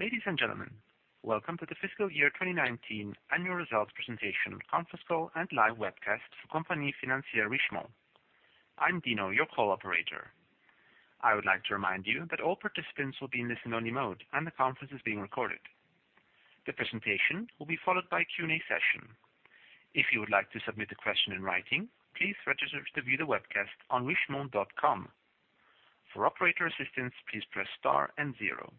Ladies and gentlemen, welcome to the fiscal year 2019 annual results presentation conference call and live webcast for Compagnie Financière Richemont. I'm Dino, your call operator. I would like to remind you that all participants will be in listen-only mode, and the conference is being recorded. The presentation will be followed by a Q&A session. If you would like to submit a question in writing, please register to view the webcast on richemont.com. For operator assistance, please press star and zero.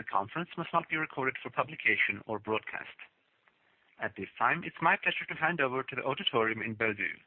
The conference must not be recorded for publication or broadcast. At this time, it's my pleasure to hand over to the auditorium in Bellevue.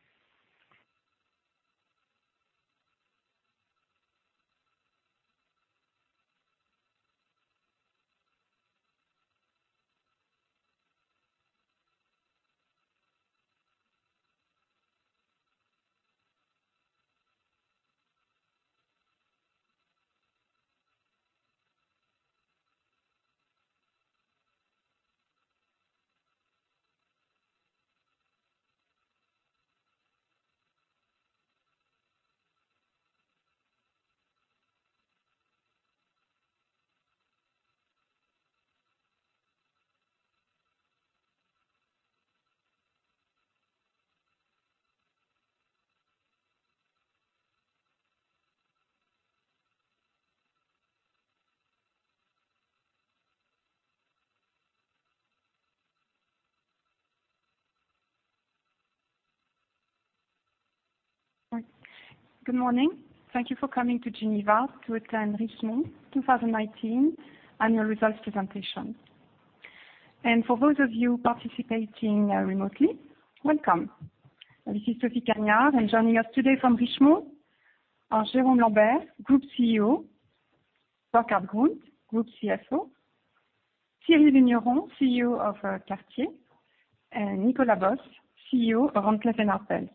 Good morning. Thank you for coming to Geneva to attend Richemont 2019 annual results presentation. For those of you participating remotely, welcome. This is Sophie Cagnard, and joining us today from Richemont are Jérôme Lambert, Group CEO, Burkhart Grund, Group CFO, Cyrille Vigneron, CEO of Cartier, and Nicolas Bos, CEO of Van Cleef & Arpels.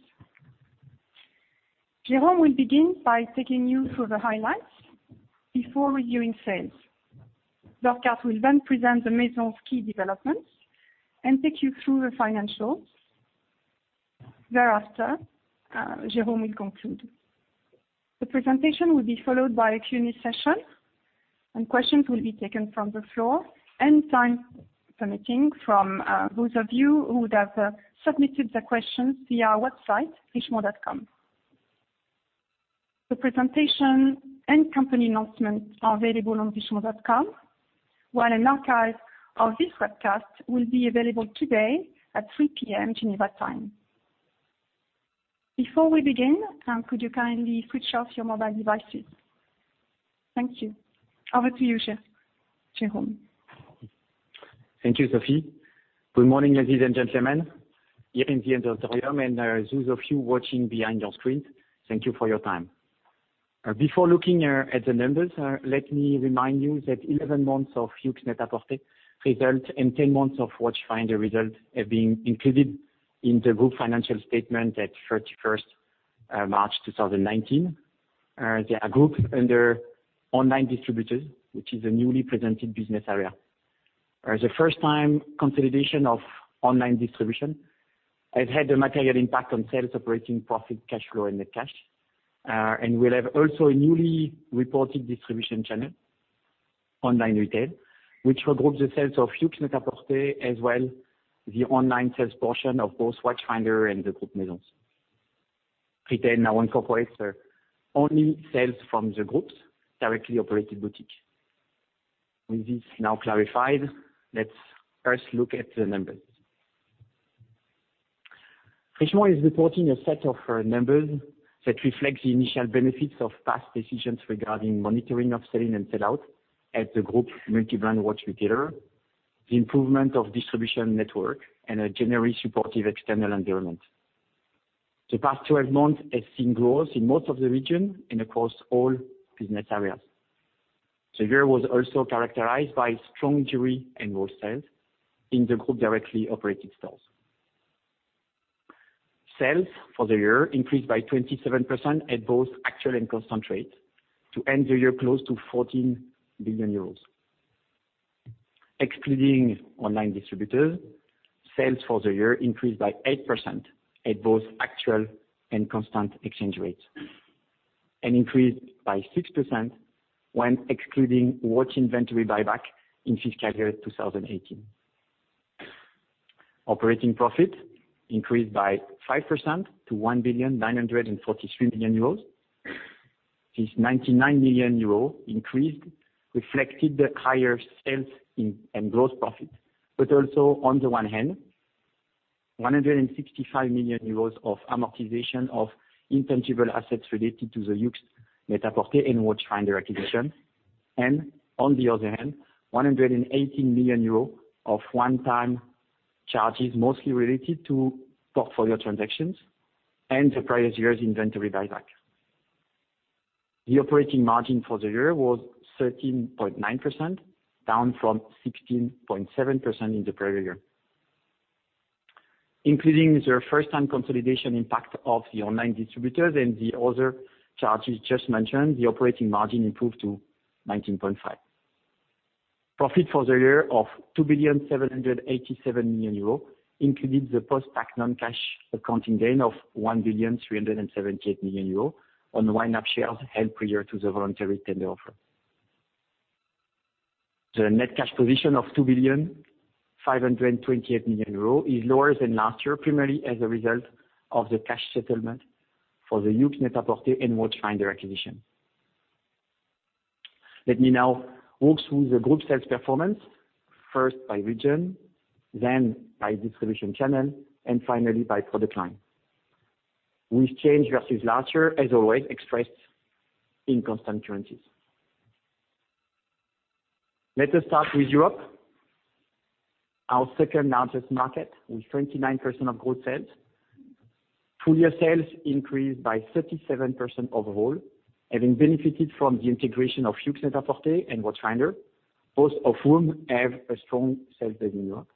Jérôme will begin by taking you through the highlights before reviewing sales. Burkhard will then present the Maison's key developments and take you through the financials. Thereafter, Jérôme will conclude. The presentation will be followed by a Q&A session, and questions will be taken from the floor and, time permitting, from those of you who have submitted the questions via our website, richemont.com. The presentation and company announcements are available on richemont.com, while an archive of this webcast will be available today at 3:00 P.M. Geneva time. Before we begin, could you kindly switch off your mobile devices? Thank you. Over to you, Jérôme. Thank you, Sophie. Good morning, ladies and gentlemen, here in the auditorium, and those of you watching behind your screens. Thank you for your time. Before looking at the numbers, let me remind you that 11 months of Yoox Net-a-Porter results and 10 months of Watchfinder results have been included in the group financial statement at 31st March 2019. They are grouped under online distributors, which is a newly presented business area. For the first time, consolidation of online distribution has had a material impact on sales, operating profit, cash flow and net cash, and will have also a newly reported distribution channel, online retail, which will group the sales of Yoox Net-a-Porter, as well the online sales portion of both Watchfinder and the group Maisons. Retail now incorporates only sales from the group's directly operated boutiques. With this now clarified, let's first look at the numbers. Richemont is reporting a set of numbers that reflect the initial benefits of past decisions regarding monitoring of sell-in and sell-out at the group multi-brand watch retailer, the improvement of distribution network and a generally supportive external environment. The past 12 months has seen growth in most of the regions and across all business areas. The year was also characterized by strong jewelry and watch sales in the group directly operated stores. Sales for the year increased by 27% at both actual and constant rates to end the year close to 14 billion euros. Excluding online distributors, sales for the year increased by 8% at both actual and constant exchange rates, and increased by 6% when excluding watch inventory buyback in fiscal year 2018. Operating profit increased by 5% to 1,943,000,000 euros. This 99 million euro increase reflected the higher sales and gross profit, but also, on the one hand, 165 million euros of amortization of intangible assets related to the Yoox Net-a-Porter and Watchfinder acquisition. On the other hand, 118 million euro of one-time charges, mostly related to portfolio transactions and the prior year's inventory buyback. The operating margin for the year was 13.9%, down from 16.7% in the prior year. Including the first-time consolidation impact of the online distributors and the other charges just mentioned, the operating margin improved to 19.5%. Profit for the year of 2,787,000,000 euros includes the post-tax non-cash accounting gain of 1,378,000,000 euros on wind-up shares held prior to the voluntary tender offer. The net cash position of 2,528,000,000 euro is lower than last year, primarily as a result of the cash settlement for the Yoox Net-a-Porter and Watchfinder acquisition. Let me now walk through the group sales performance, first by region, then by distribution channel, and finally, by product line. With change versus last year, as always, expressed in constant currencies. Let us start with Europe. Our second-largest market, with 29% of group sales. Full-year sales increased by 37% overall, having benefited from the integration of Yoox Net-a-Porter and Watchfinder, both of whom have a strong sales base in Europe.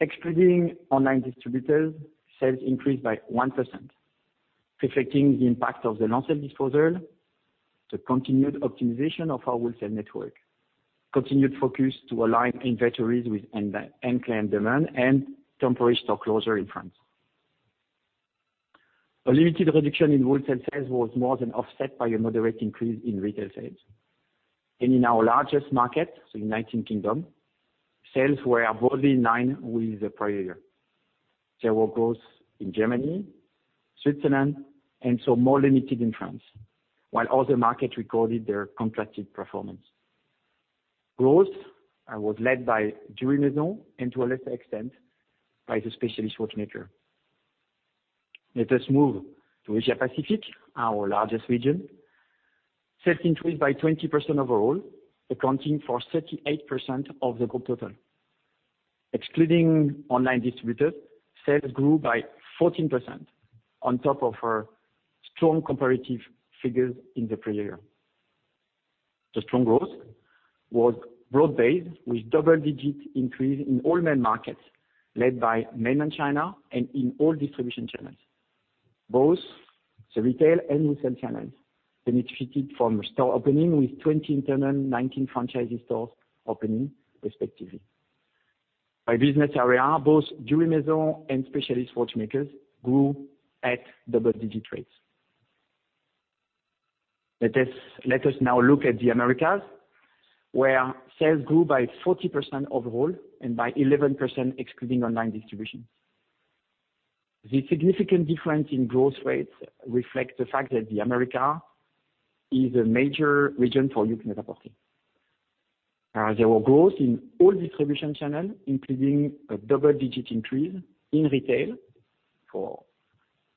Excluding online distributors, sales increased by 1%, reflecting the impact of the Lancel disposal, the continued optimization of our wholesale network, continued focus to align inventories with end-client demand, and temporary store closure in France. A limited reduction in wholesale sales was more than offset by a moderate increase in retail sales. In our largest market, the United Kingdom, sales were broadly in line with the prior year. There were growth in Germany, Switzerland, and so more limited in France, while other markets recorded their contracted performance. Growth was led by Jewelry Maison and to a lesser extent, by the Specialist Watchmaker. Let us move to Asia Pacific, our largest region. Sales increased by 20% overall, accounting for 38% of the group total. Excluding online distributors, sales grew by 14% on top of our strong comparative figures in the prior year. The strong growth was broad-based with double-digit increase in all main markets, led by Mainland China and in all distribution channels. Both the retail and wholesale channels benefited from store opening with 20 internal, 19 franchise stores opening respectively. By business area, both Jewelry Maison and Specialist Watchmakers grew at double-digit rates. Let us now look at the Americas, where sales grew by 40% overall and by 11% excluding online distribution. The significant difference in growth rates reflect the fact that the Americas is a major region for Yoox Net-a-Porter. There was growth in all distribution channels, including a double-digit increase in retail for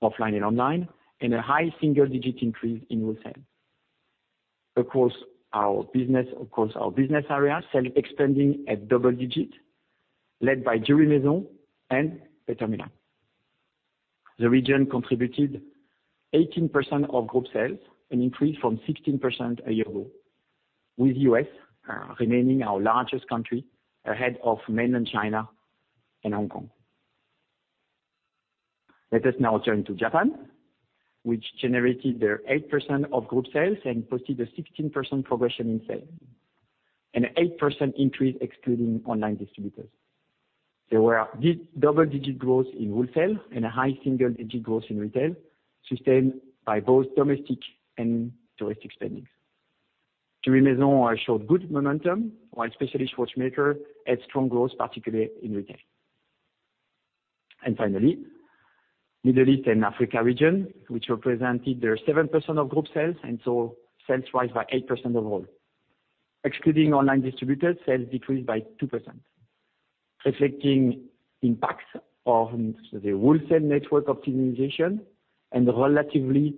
offline and online, and a high single-digit increase in wholesale. Across our business areas, sales expanding at double digit, led by Jewelry Maison and Peter Millar. The region contributed 18% of group sales, an increase from 16% a year ago, with U.S. remaining our largest country ahead of Mainland China and Hong Kong. Let us now turn to Japan, which generated 8% of group sales and posted a 16% progression in sales, and 8% increase excluding online distributors. There was double-digit growth in wholesale and a high single-digit growth in retail, sustained by both domestic and tourist spending. Jewelry Maison showed good momentum, while Specialist Watchmaker had strong growth, particularly in retail. Finally, Middle East and Africa region, which represented 7% of group sales rose by 8% overall. Excluding online distributors, sales decreased by 2%, reflecting impacts of the wholesale network optimization and relatively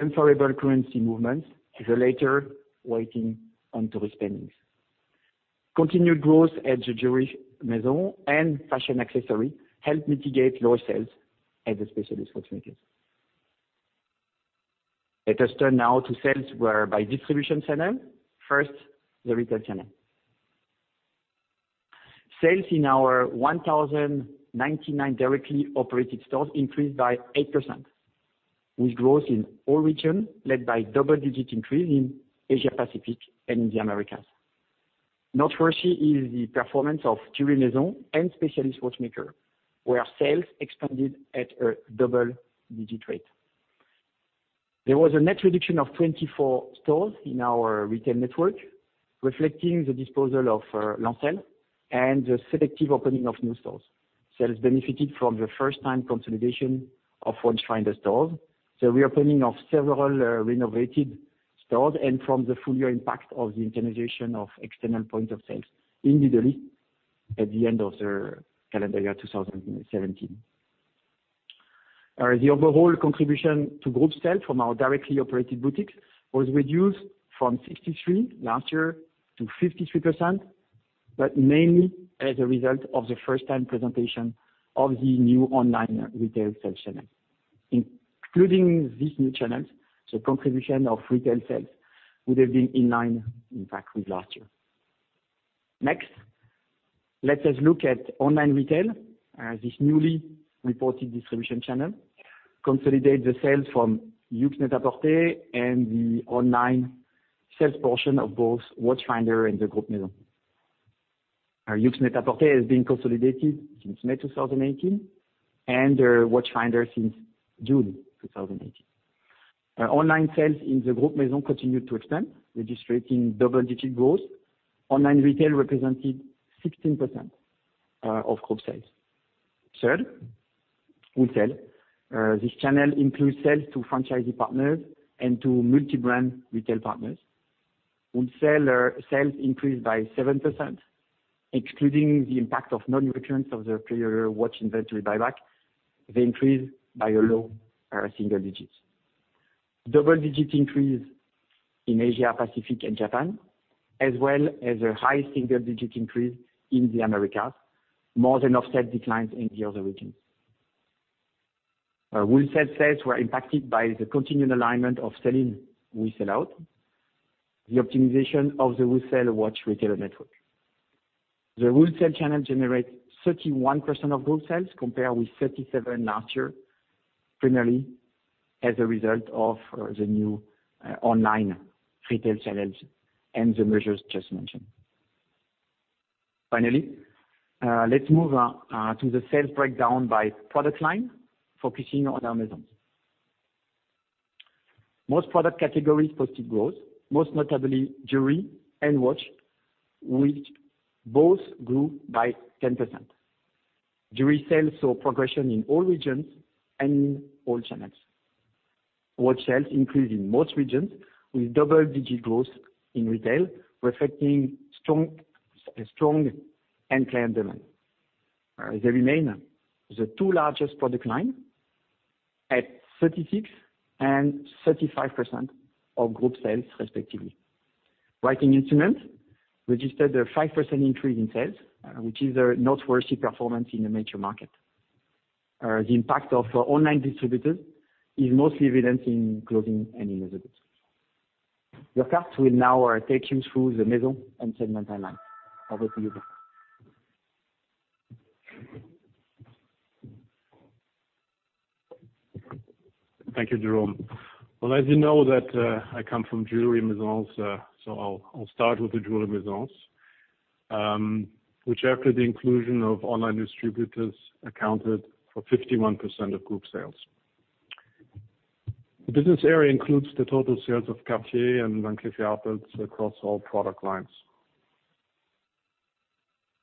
unfavorable currency movements, the latter weighing on tourist spending. Continued growth at the Jewelry Maison and Fashion Accessory helped mitigate lower sales at the Specialist Watchmaker. Let us turn now to sales by distribution channel. First, the retail channel. Sales in our 1,099 directly operated stores increased by 8%, with growth in all regions led by double-digit increase in Asia Pacific and in the Americas. Noteworthy is the performance of Jewelry Maison and Specialist Watchmaker, where sales expanded at a double-digit rate. There was a net reduction of 24 stores in our retail network, reflecting the disposal of Lancel and the selective opening of new stores. Sales benefited from the first-time consolidation of Watchfinder stores, the reopening of several renovated stores, and from the full-year impact of the internalization of external point of sales in the Middle East at the end of the calendar year 2017. The overall contribution to group sales from our directly operated boutiques was reduced from 63% last year to 53%, mainly as a result of the first-time presentation of the new online retail sales channel. Including these new channels, the contribution of retail sales would have been in line, in fact, with last year. Next, let us look at online retail. This newly reported distribution channel consolidates the sales from Yoox Net-a-Porter and the online sales portion of both Watchfinder and the Groupe Maison. Yoox Net-a-Porter has been consolidated since May 2018, and Watchfinder since June 2018. Online sales in the Groupe Maison continued to expand, registering double-digit growth. Online retail represented 16% of group sales. Third, wholesale. This channel includes sales to franchisee partners and to multi-brand retail partners. Wholesale sales increased by 7%, excluding the impact of non-recurrence of the prior year watch inventory buyback. They increased by low single digits. Double-digit increase in Asia Pacific and Japan, as well as a high single-digit increase in the Americas, more than offset declines in the other regions. Our wholesale sales were impacted by the continuing alignment of sell-in to sell-out, the optimization of the wholesale watch retailer network. The wholesale channel generates 31% of group sales, compared with 37% last year, primarily as a result of the new online retail channels and the measures just mentioned. Finally, let's move on to the sales breakdown by product line, focusing on the Maison. Most product categories posted growth, most notably jewelry and watch, which both grew by 10%. Jewelry sales saw progression in all regions and in all channels. Watch sales increased in most regions, with double-digit growth in retail, reflecting strong end-client demand. They remain the two largest product lines at 36% and 35% of group sales respectively. Writing instruments registered a 5% increase in sales, which is a noteworthy performance in a major market. The impact of online distributors is most evident in clothing and leather goods. Burkhart will now take you through the Maison and segment timeline. Over to you, Burkhart. Thank you, Jérôme. As you know that I come from Jewelry Maison, I'll start with the Jewelry Maison, which after the inclusion of online distributors, accounted for 51% of group sales. The business area includes the total sales of Cartier and Van Cleef & Arpels across all product lines.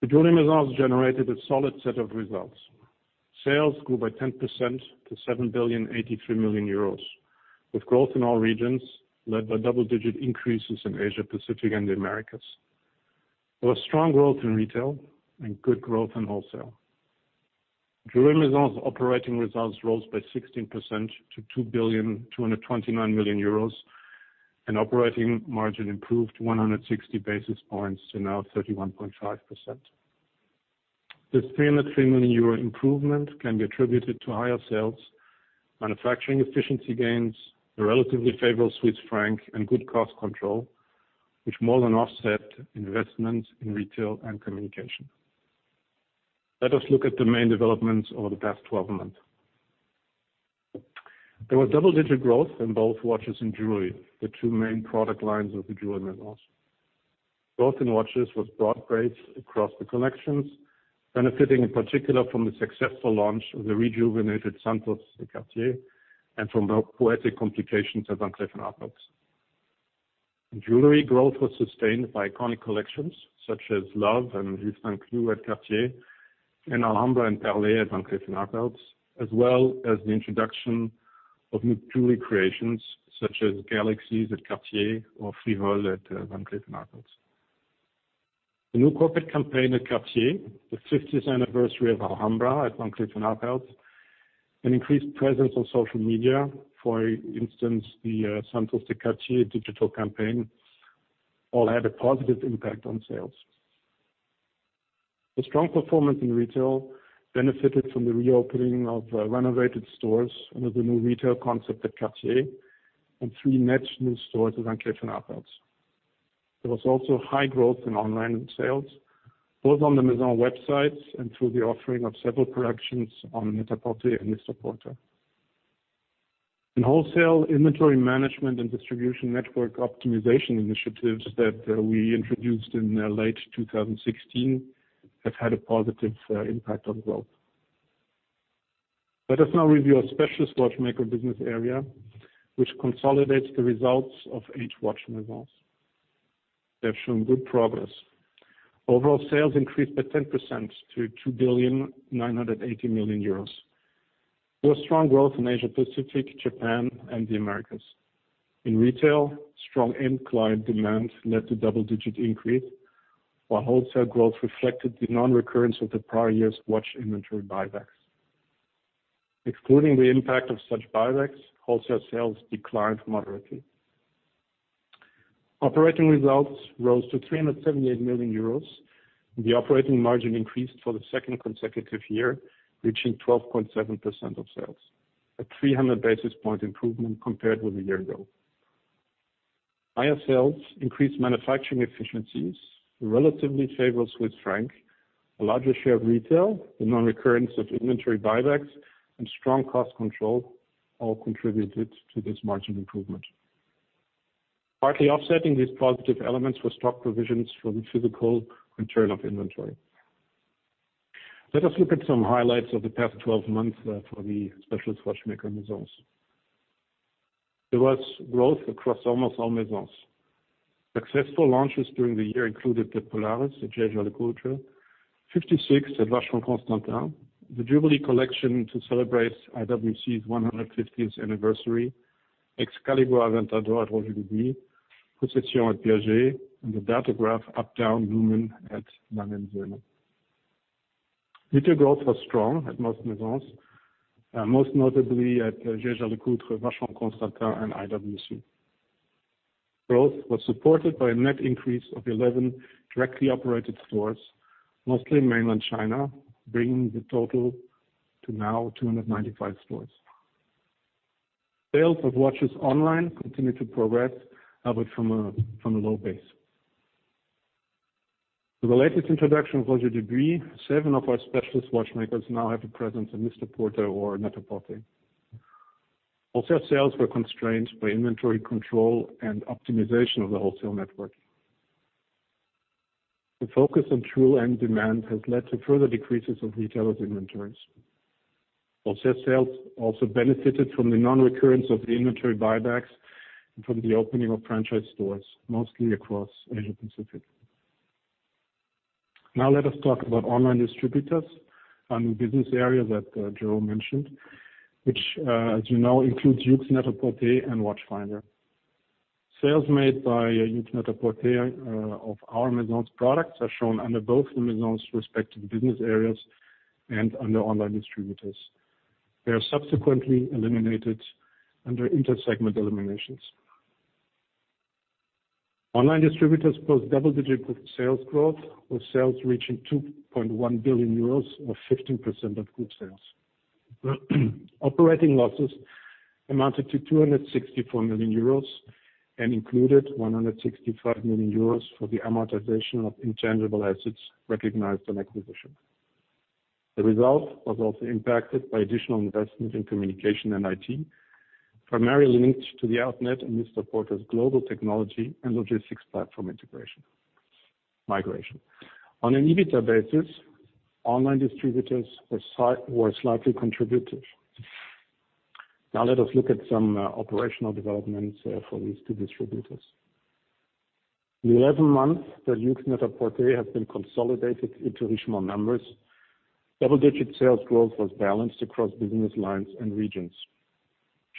The Jewelry Maison generated a solid set of results. Sales grew by 10% to 7,083,000 euros, with growth in all regions led by double-digit increases in Asia, Pacific, and the Americas. There was strong growth in retail and good growth in wholesale. Jewelry Maison operating results rose by 16% to 2,229,000 euros, and operating margin improved 160 basis points to now 31.5%. This 303 million euro improvement can be attributed to higher sales, manufacturing efficiency gains, a relatively favorable Swiss franc, and good cost control, which more than offset investments in retail and communication. Let us look at the main developments over the past 12 months. There was double-digit growth in both watches and jewelry, the two main product lines of the Jewelry Maison. Growth in watches was broad-based across the collections, benefiting in particular from the successful launch of the rejuvenated Santos de Cartier and from the Poetic Complications at Van Cleef & Arpels. Jewelry growth was sustained by iconic collections such as Love and Juste un Clou at Cartier and Alhambra and Perlée at Van Cleef & Arpels, as well as the introduction of new jewelry creations such as Les Galaxies de Cartier or Frivole at Van Cleef & Arpels. The new corporate campaign at Cartier, the 50th anniversary of Alhambra at Van Cleef & Arpels, an increased presence on social media, for instance, the Santos de Cartier digital campaign, all had a positive impact on sales. The strong performance in retail benefited from the reopening of renovated stores under the new retail concept at Cartier and three net new stores at Van Cleef & Arpels. There was also high growth in online sales, both on the Maison websites and through the offering of several collections on Net-a-Porter and Mr Porter. In wholesale, inventory management and distribution network optimization initiatives that we introduced in late 2016 have had a positive impact on growth. Let us now review our Specialist Watchmaker business area, which consolidates the results of each watch Maison. They have shown good progress. Overall sales increased by 10% to 2,980,000 euros. There was strong growth in Asia, Pacific, Japan, and the Americas. In retail, strong end-client demand led to double-digit increase, while wholesale growth reflected the non-recurrence of the prior year's watch inventory buybacks. Excluding the impact of such buybacks, wholesale sales declined moderately. Operating results rose to 378 million euros. The operating margin increased for the second consecutive year, reaching 12.7% of sales, a 300-basis point improvement compared with a year ago. Higher sales, increased manufacturing efficiencies, relatively favorable Swiss franc, a larger share of retail, the non-recurrence of inventory buybacks, and strong cost control all contributed to this margin improvement. Partly offsetting these positive elements were stock provisions from physical turn of inventory. Let us look at some highlights of the past 12 months for the specialist watchmaker Maisons. There was growth across almost all Maisons. Successful launches during the year included the Polaris, the Jaeger-LeCoultre, Fiftysix at Vacheron Constantin, the Jubilee collection to celebrate IWC's 150th anniversary, Excalibur Aventador S at Roger Dubuis, Possession at Piaget, and the Datograph Up/Down Lumen at A. Lange & Söhne. Retail growth was strong at most Maisons, most notably at Jaeger-LeCoultre, Vacheron Constantin and IWC. Growth was supported by a net increase of 11 directly operated stores, mostly in mainland China, bringing the total to now 295 stores. Sales of watches online continue to progress, however, from a low base. With the latest introduction of Roger Dubuis, seven of our specialist watchmakers now have a presence in Mr Porter or Net-a-Porter. Wholesale sales were constrained by inventory control and optimization of the wholesale network. The focus on true end demand has led to further decreases of retailers' inventories. Wholesale sales also benefited from the non-recurrence of the inventory buybacks and from the opening of franchise stores, mostly across Asia Pacific. Now let us talk about online distributors and the business area that Jörg mentioned, which, as you know, includes Yoox Net-a-Porter and Watchfinder. Sales made by Yoox Net-a-Porter of our Maison's products are shown under both the Maison's respective business areas and under online distributors. They are subsequently eliminated under intersegment eliminations. Online distributors post double-digit book sales growth, with sales reaching 2.1 billion euros or 15% of group sales. Operating losses amounted to 264 million euros and included 165 million euros for the amortization of intangible assets recognized on acquisition. The result was also impacted by additional investment in communication and IT, primarily linked to The Outnet and Mr Porter's global technology and logistics platform migration. On an EBITDA basis, online distributors were slightly contributive. Now let us look at some operational developments for these two distributors. In the 11 months that Yoox Net-a-Porter has been consolidated into Richemont numbers, double-digit sales growth was balanced across business lines and regions.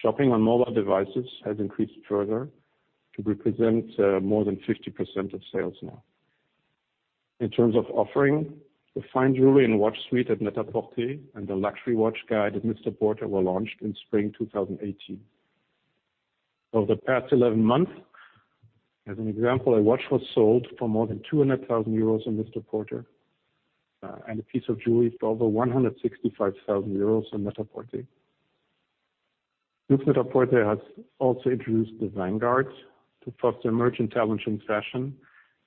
Shopping on mobile devices has increased further to represent more than 50% of sales now. In terms of offering, the fine jewelry and watch suite at Net-a-Porter and the luxury watch guide at Mr Porter were launched in spring 2018. Over the past 11 months, as an example, a watch was sold for more than 200,000 euros on Mr Porter, and a piece of jewelry for over 165,000 euros on Net-a-Porter. Yoox Net-a-Porter has also introduced Design Guardians to foster emerging talent in fashion,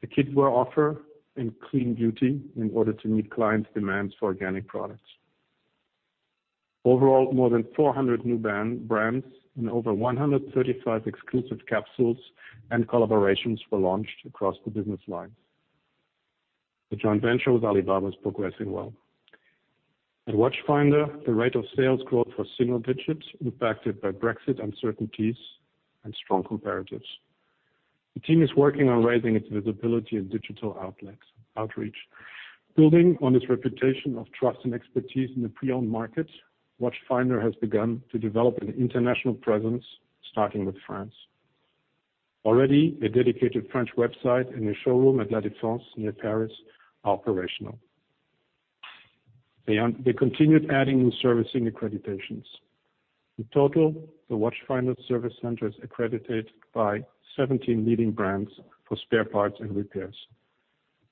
a kidwear offer in clean beauty in order to meet clients' demands for organic products. Overall, more than 400 new brands and over 135 exclusive capsules and collaborations were launched across the business lines. The joint venture with Alibaba is progressing well. At Watchfinder, the rate of sales growth was single digits, impacted by Brexit uncertainties and strong comparatives. The team is working on raising its visibility in digital outreach. Building on its reputation of trust and expertise in the pre-owned market, Watchfinder has begun to develop an international presence, starting with France. Already, a dedicated French website and a showroom at La Défense near Paris are operational. They continued adding new servicing accreditations. In total, the Watchfinder service center is accredited by 17 leading brands for spare parts and repairs.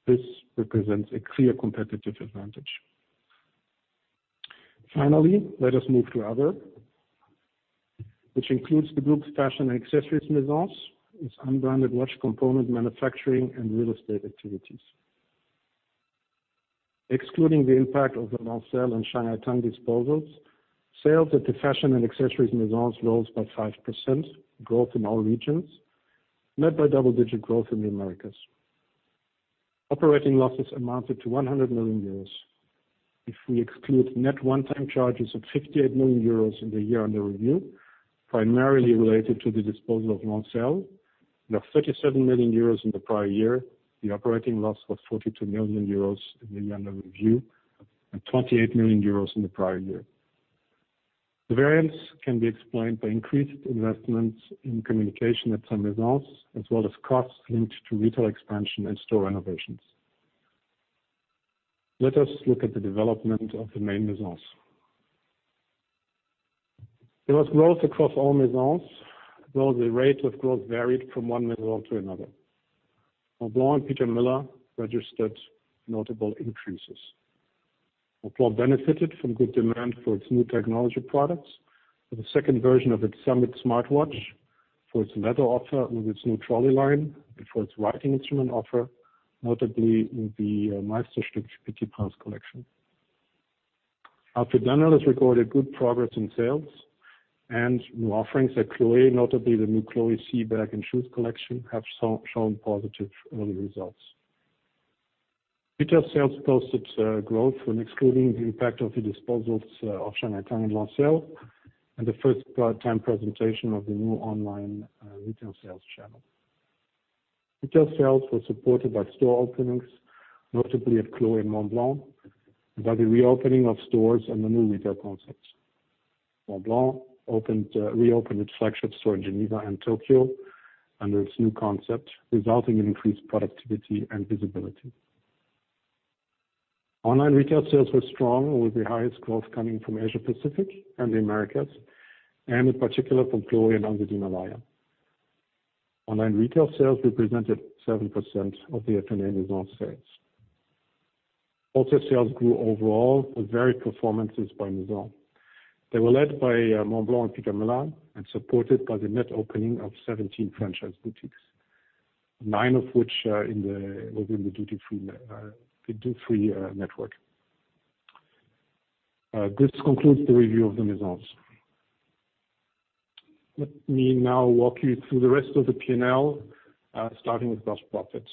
This represents a clear competitive advantage. Finally, let us move to other, which includes the group's fashion and accessories Maisons, its unbranded watch component manufacturing and real estate activities. Excluding the impact of the Lancel and Shanghai Tang disposals, sales at the fashion and accessories Maisons rose by 5%, growth in all regions, led by double-digit growth in the Americas. Operating losses amounted to 100 million euros. If we exclude net one-time charges of 58 million euros in the year under review, primarily related to the disposal of Lancel, and of 37 million euros in the prior year, the operating loss was 42 million euros in the year under review and 28 million euros in the prior year. The variance can be explained by increased investments in communication at some results, as well as costs linked to retail expansion and store renovations. Let us look at the development of the main results. There was growth across all Maisons, though the rate of growth varied from one Maison to another. Montblanc and Peter Millar registered notable increases. Benefited from good demand for its new technology products, for the second version of the Summit smartwatch, for its leather offer with its new trolley line, and for its writing instrument offer, notably in the Meisterstück Le Petit Prince collection. Alfred Dunhill has recorded good progress in sales and new offerings at Chloé, notably the new Chloé C bag and shoes collection, have shown positive early results. Retail sales posted growth when excluding the impact of the disposals of Shanghai Tang and Lancel, and the first time presentation of the new online retail sales channel. Retail sales were supported by store openings, notably at Chloé and Montblanc, and by the reopening of stores and the new retail concepts. Montblanc reopened its flagship store in Geneva and Tokyo under its new concept, resulting in increased productivity and visibility. Online retail sales were strong, with the highest growth coming from Asia-Pacific and the Americas, and in particular from Chloé and Van Cleef & Arpels. Online retail sales represented 7% of the eternal maison sales. Wholesale sales grew overall with varied performances by maison. They were led by Montblanc and Perter Milar and supported by the net opening of 17 franchise boutiques, nine of which are within the duty-free network. This concludes the review of the Maisons. Let me now walk you through the rest of the P&L, starting with gross profit.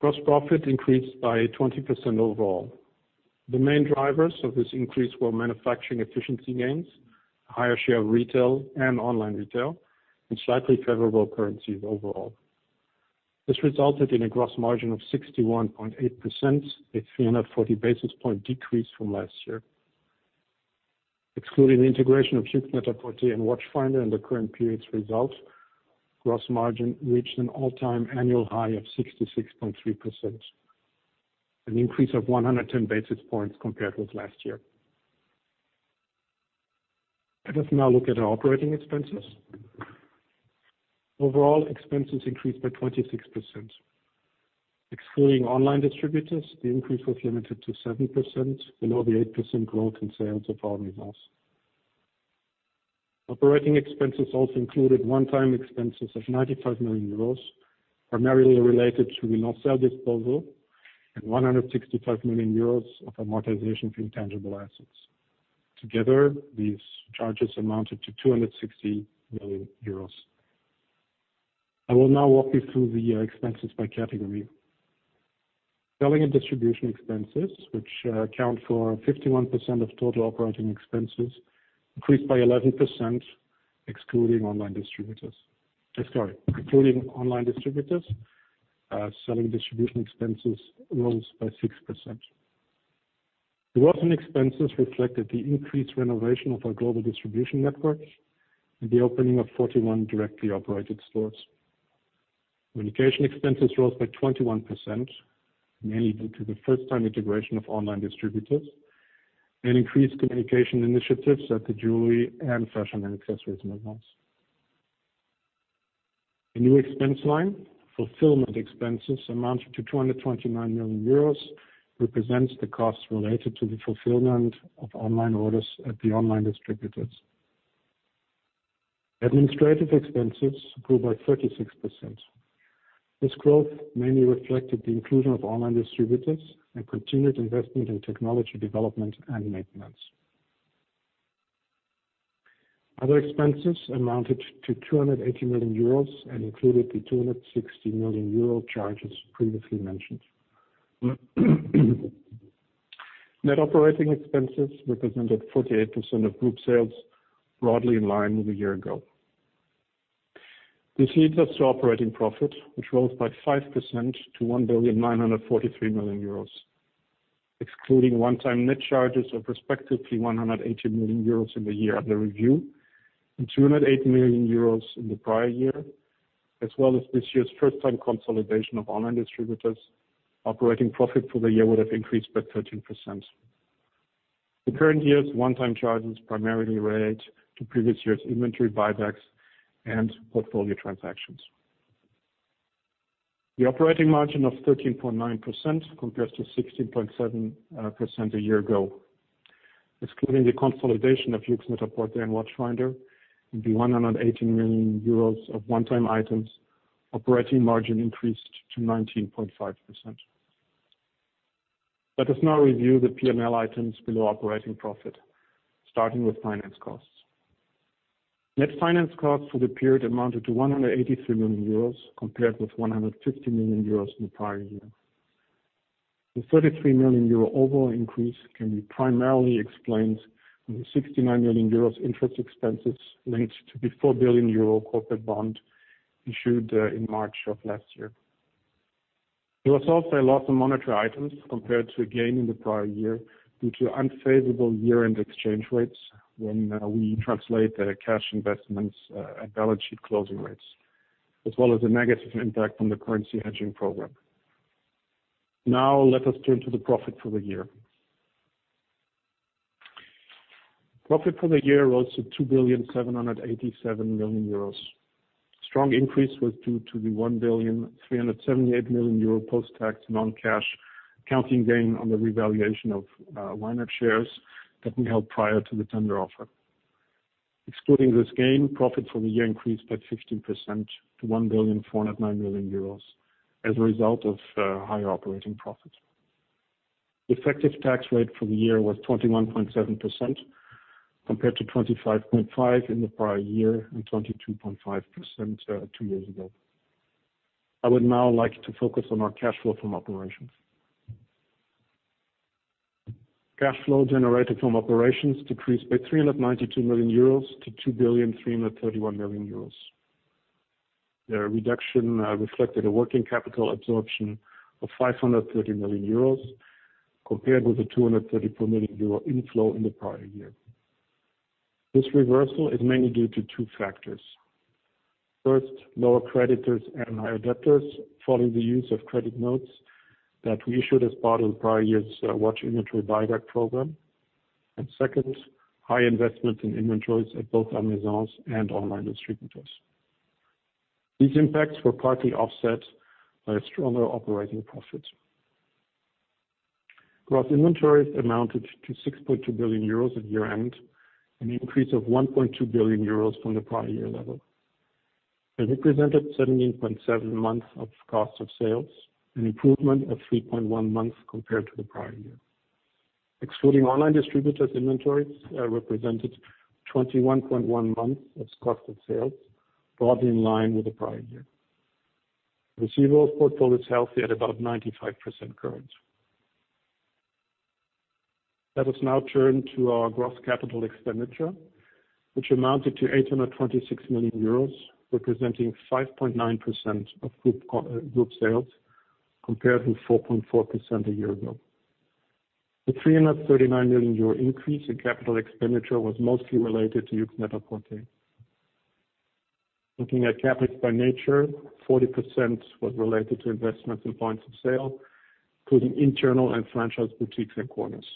Gross profit increased by 20% overall. The main drivers of this increase were manufacturing efficiency gains, a higher share of retail and online retail, and slightly favorable currencies overall. This resulted in a gross margin of 61.8%, a 340 basis point decrease from last year. Excluding the integration of Yoox Net-a-Porter and Watchfinder in the current period's results, gross margin reached an all-time annual high of 66.3%, an increase of 110 basis points compared with last year. Let us now look at our operating expenses. Overall, expenses increased by 26%. Excluding online distributors, the increase was limited to 7%, below the 8% growth in sales of our maisons. Operating expenses also included one-time expenses of 95 million euros, primarily related to the Lancel disposal, and 165 million euros of amortization for intangible assets. Together, these charges amounted to 260 million euros. I will now walk you through the expenses by category. Selling and distribution expenses, which account for 51% of total operating expenses, increased by 11%, excluding online distributors. Sorry, including online distributors, selling distribution expenses rose by 6%. The growth in expenses reflected the increased renovation of our global distribution network and the opening of 41 directly operated stores. Communication expenses rose by 21%, mainly due to the first-time integration of online distributors and increased communication initiatives at the jewelry and fashion and accessories maisons. A new expense line, fulfillment expenses, amounted to 229 million euros, represents the costs related to the fulfillment of online orders at the online distributors. Administrative expenses grew by 36%. This growth mainly reflected the inclusion of online distributors and continued investment in technology development and maintenance. Other expenses amounted to 280 million euros and included the 260 million euro charges previously mentioned. Net operating expenses represented 48% of group sales, broadly in line with a year ago. This leads us to operating profit, which rose by 5% to 1,943 million euros, excluding one-time net charges of respectively 180 million euros in the year under review and 208 million euros in the prior year, as well as this year's first time consolidation of online distributors, operating profit for the year would have increased by 13%. The current year's one-time charges primarily relate to previous year's inventory buybacks and portfolio transactions. The operating margin of 13.9% compares to 16.7% a year ago. Excluding the consolidation of Yoox Net-a-Porter and Watchfinder, the 118 million euros of one-time items, operating margin increased to 19.5%. Let us now review the P&L items below operating profit, starting with finance costs. Net finance costs for the period amounted to 183 million euros compared with 150 million euros in the prior year. The 33 million euro overall increase can be primarily explained in the 69 million euros interest expenses linked to the 4 billion euro corporate bond issued in March of last year. There was also a loss on monetary items compared to a gain in the prior year due to unfavorable year-end exchange rates when we translate cash investments at balance sheet closing rates, as well as a negative impact on the currency hedging program. Now, let us turn to the profit for the year. Profit for the year rose to 2,787 million euros. Strong increase was due to the 1,378 million euro post-tax non-cash accounting gain on the revaluation of YNAP shares that we held prior to the tender offer. Excluding this gain, profit for the year increased by 15% to 1,409 million euros as a result of higher operating profit. The effective tax rate for the year was 21.7% compared to 25.5% in the prior year and 22.5% two years ago. I would now like to focus on our cash flow from operations. Cash flow generated from operations decreased by 392 million euros to 2,331 million euros. The reduction reflected a working capital absorption of 530 million euros compared with a 234 million euro inflow in the prior year. This reversal is mainly due to two factors. First, lower creditors and higher debtors following the use of credit notes that we issued as part of the prior year's watch inventory buyback program. Second, high investment in inventories at both our Maisons and online distributors. These impacts were partly offset by a stronger operating profit. Gross inventories amounted to 6.2 billion euros at year-end, an increase of 1.2 billion euros from the prior year level. It represented 17.7 months of cost of sales, an improvement of 3.1 months compared to the prior year. Excluding online distributors, inventories represented 21.1 months of cost of sales, broadly in line with the prior year. Receivables portfolio is healthy at about 95% current. Let us now turn to our gross capital expenditure, which amounted to 826 million euros, representing 5.9% of group sales, compared with 4.4% a year ago. The 339 million euro increase in capital expenditure was mostly related to Yoox Net-a-Porter. Looking at CapEx by nature, 40% was related to investments in points of sale, including internal and franchise boutiques and corners.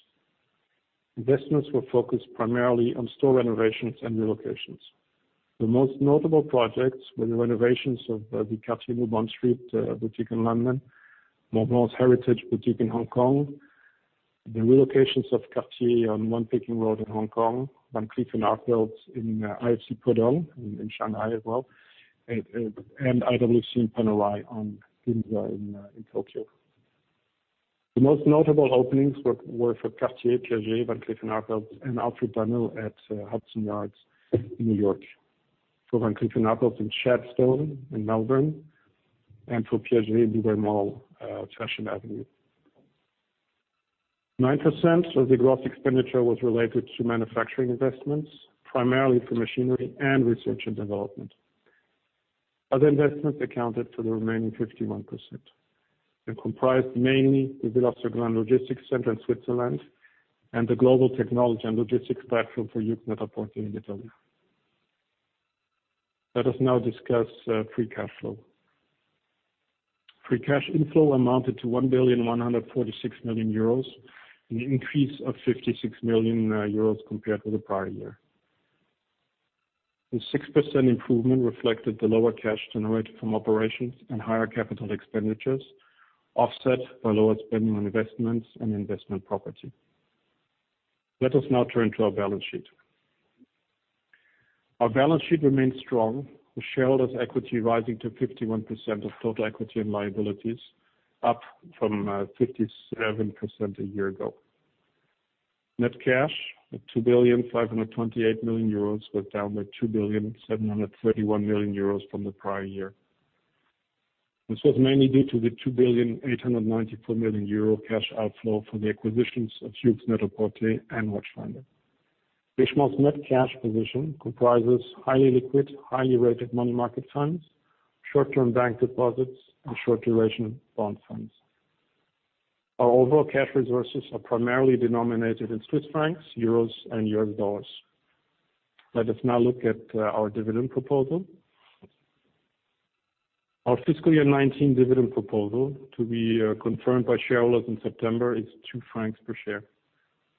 Investments were focused primarily on store renovations and relocations. The most notable projects were the renovations of the Cartier New Bond Street boutique in London, Montblanc's Heritage boutique in Hong Kong, the relocations of Cartier on One Peking Road in Hong Kong, Van Cleef & Arpels in IFC Pudong in Shanghai as well, and IWC and Panerai on Ginza in Tokyo. The most notable openings were for Cartier, Piaget, Van Cleef & Arpels, and Alfred Dunhill at Hudson Yards in New York, for Van Cleef & Arpels in Chadstone in Melbourne, and for Piaget in Dubai Mall, Fashion Avenue. 9% of the gross expenditure was related to manufacturing investments, primarily for machinery and research and development. Other investments accounted for the remaining 51%, and comprised mainly the Villars-sur-Glâne logistics center in Switzerland and the global technology and logistics platform for Yoox Net-a-Porter in Italy. Let us now discuss free cash flow. Free cash inflow amounted to 1.146 billion, an increase of 56 million euros compared to the prior year. The 6% improvement reflected the lower cash generated from operations and higher capital expenditures, offset by lower spending on investments and investment property. Let us now turn to our balance sheet. Our balance sheet remains strong, with shareholders' equity rising to 51% of total equity and liabilities, up from 57% a year ago. Net cash at 2.528 billion was down by 2.731 billion from the prior year. This was mainly due to the 2.894 billion cash outflow for the acquisitions of Yoox Net-a-Porter and Watchfinder. Richemont's net cash position comprises highly liquid, highly rated money market funds, short-term bank deposits, and short-duration bond funds. Our overall cash resources are primarily denominated in Swiss francs, euros, and U.S. dollars. Let us now look at our dividend proposal. Our fiscal year 2019 dividend proposal, to be confirmed by shareholders in September, is 2 francs per share.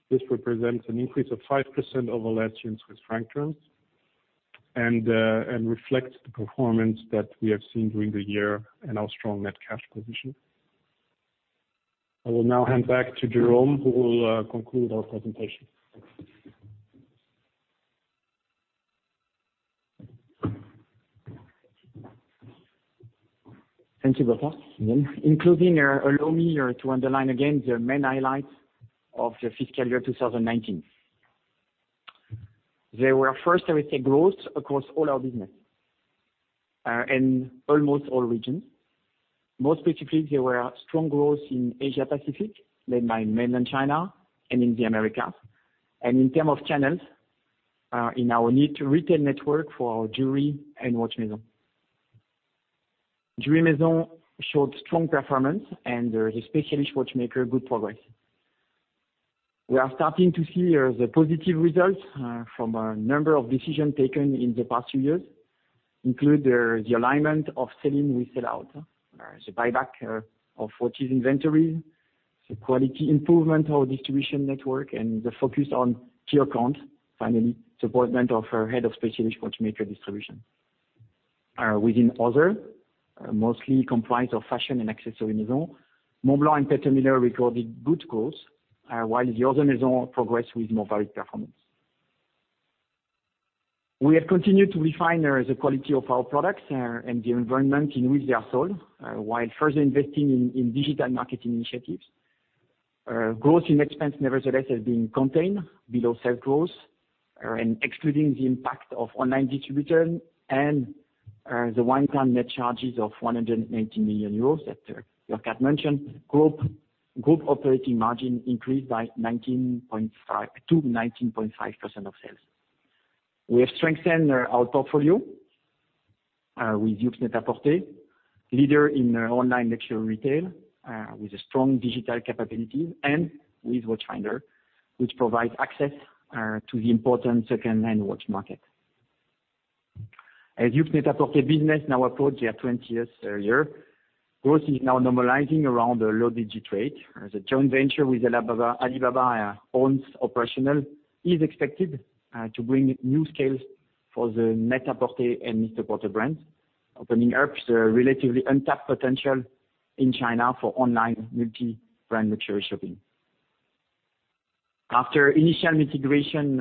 This represents an increase of 5% over last year in Swiss franc terms and reflects the performance that we have seen during the year and our strong net cash position. I will now hand back to Jérôme, who will conclude our presentation. Thank you, Bukhart. In closing, allow me to underline again the main highlights of the fiscal year 2019. There were, first, I would say, growth across all our business, in almost all regions. Most specifically, there were strong growth in Asia-Pacific, led by Mainland China and in the Americas, and in terms of channels, in our retail network for our Jewelry and Watch Maison. Jewelry Maison showed strong performance, and the Specialist Watchmaker, good progress. We are starting to see the positive results from a number of decisions taken in the past few years, including the alignment of sell-in with sell-out, the buyback of watches inventory, the quality improvement of distribution network, and the focus on key accounts. Finally, the appointment of our Head of Specialist Watchmaker Distribution. Within Other, mostly comprised of Fashion and Accessory Maison, Montblanc and Peter Millar recorded good growth, while the other Maison progresses with more varied performance. We have continued to refine the quality of our products and the environment in which they are sold, while further investing in digital marketing initiatives. Growth in expense, nevertheless, has been contained below sales growth and excluding the impact of online distribution and the one-time net charges of 180 million euros that Burkhart mentioned, Group operating margin increased to 19.5% of sales. We have strengthened our portfolio with Yoox Net-a-Porter, leader in online luxury retail with a strong digital capability and with Watchfinder, which provides access to the important secondhand watch market. As Yoox Net-a-Porter business now approaches its 20th year, growth is now normalizing around a low-digit rate. The joint venture with Alibaba is operational is expected to bring new scales for the Net-a-Porter and Mr Porter brands, opening up the relatively untapped potential in China for online multi-brand luxury shopping. After initial integration,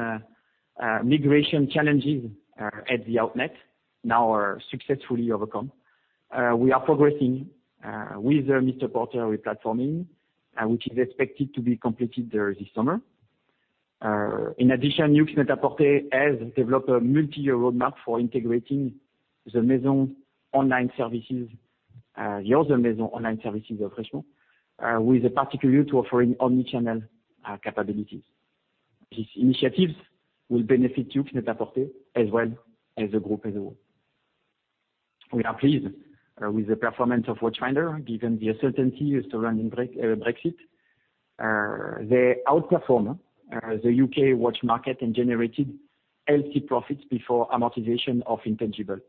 migration challenges at The Outnet now are successfully overcome. We are progressing with Mr Porter replatforming, which is expected to be completed this summer. In addition, Yoox Net-a-Porter has developed a multi-year roadmap for integrating the other Maison online services of Richemont, with a particular to offering omnichannel capabilities. These initiatives will benefit Yoox Net-a-Porter as well as the Group as a whole. We are pleased with the performance of Watchfinder, given the uncertainty surrounding Brexit. They outperform the U.K. watch market and generated healthy profits before amortization of intangibles.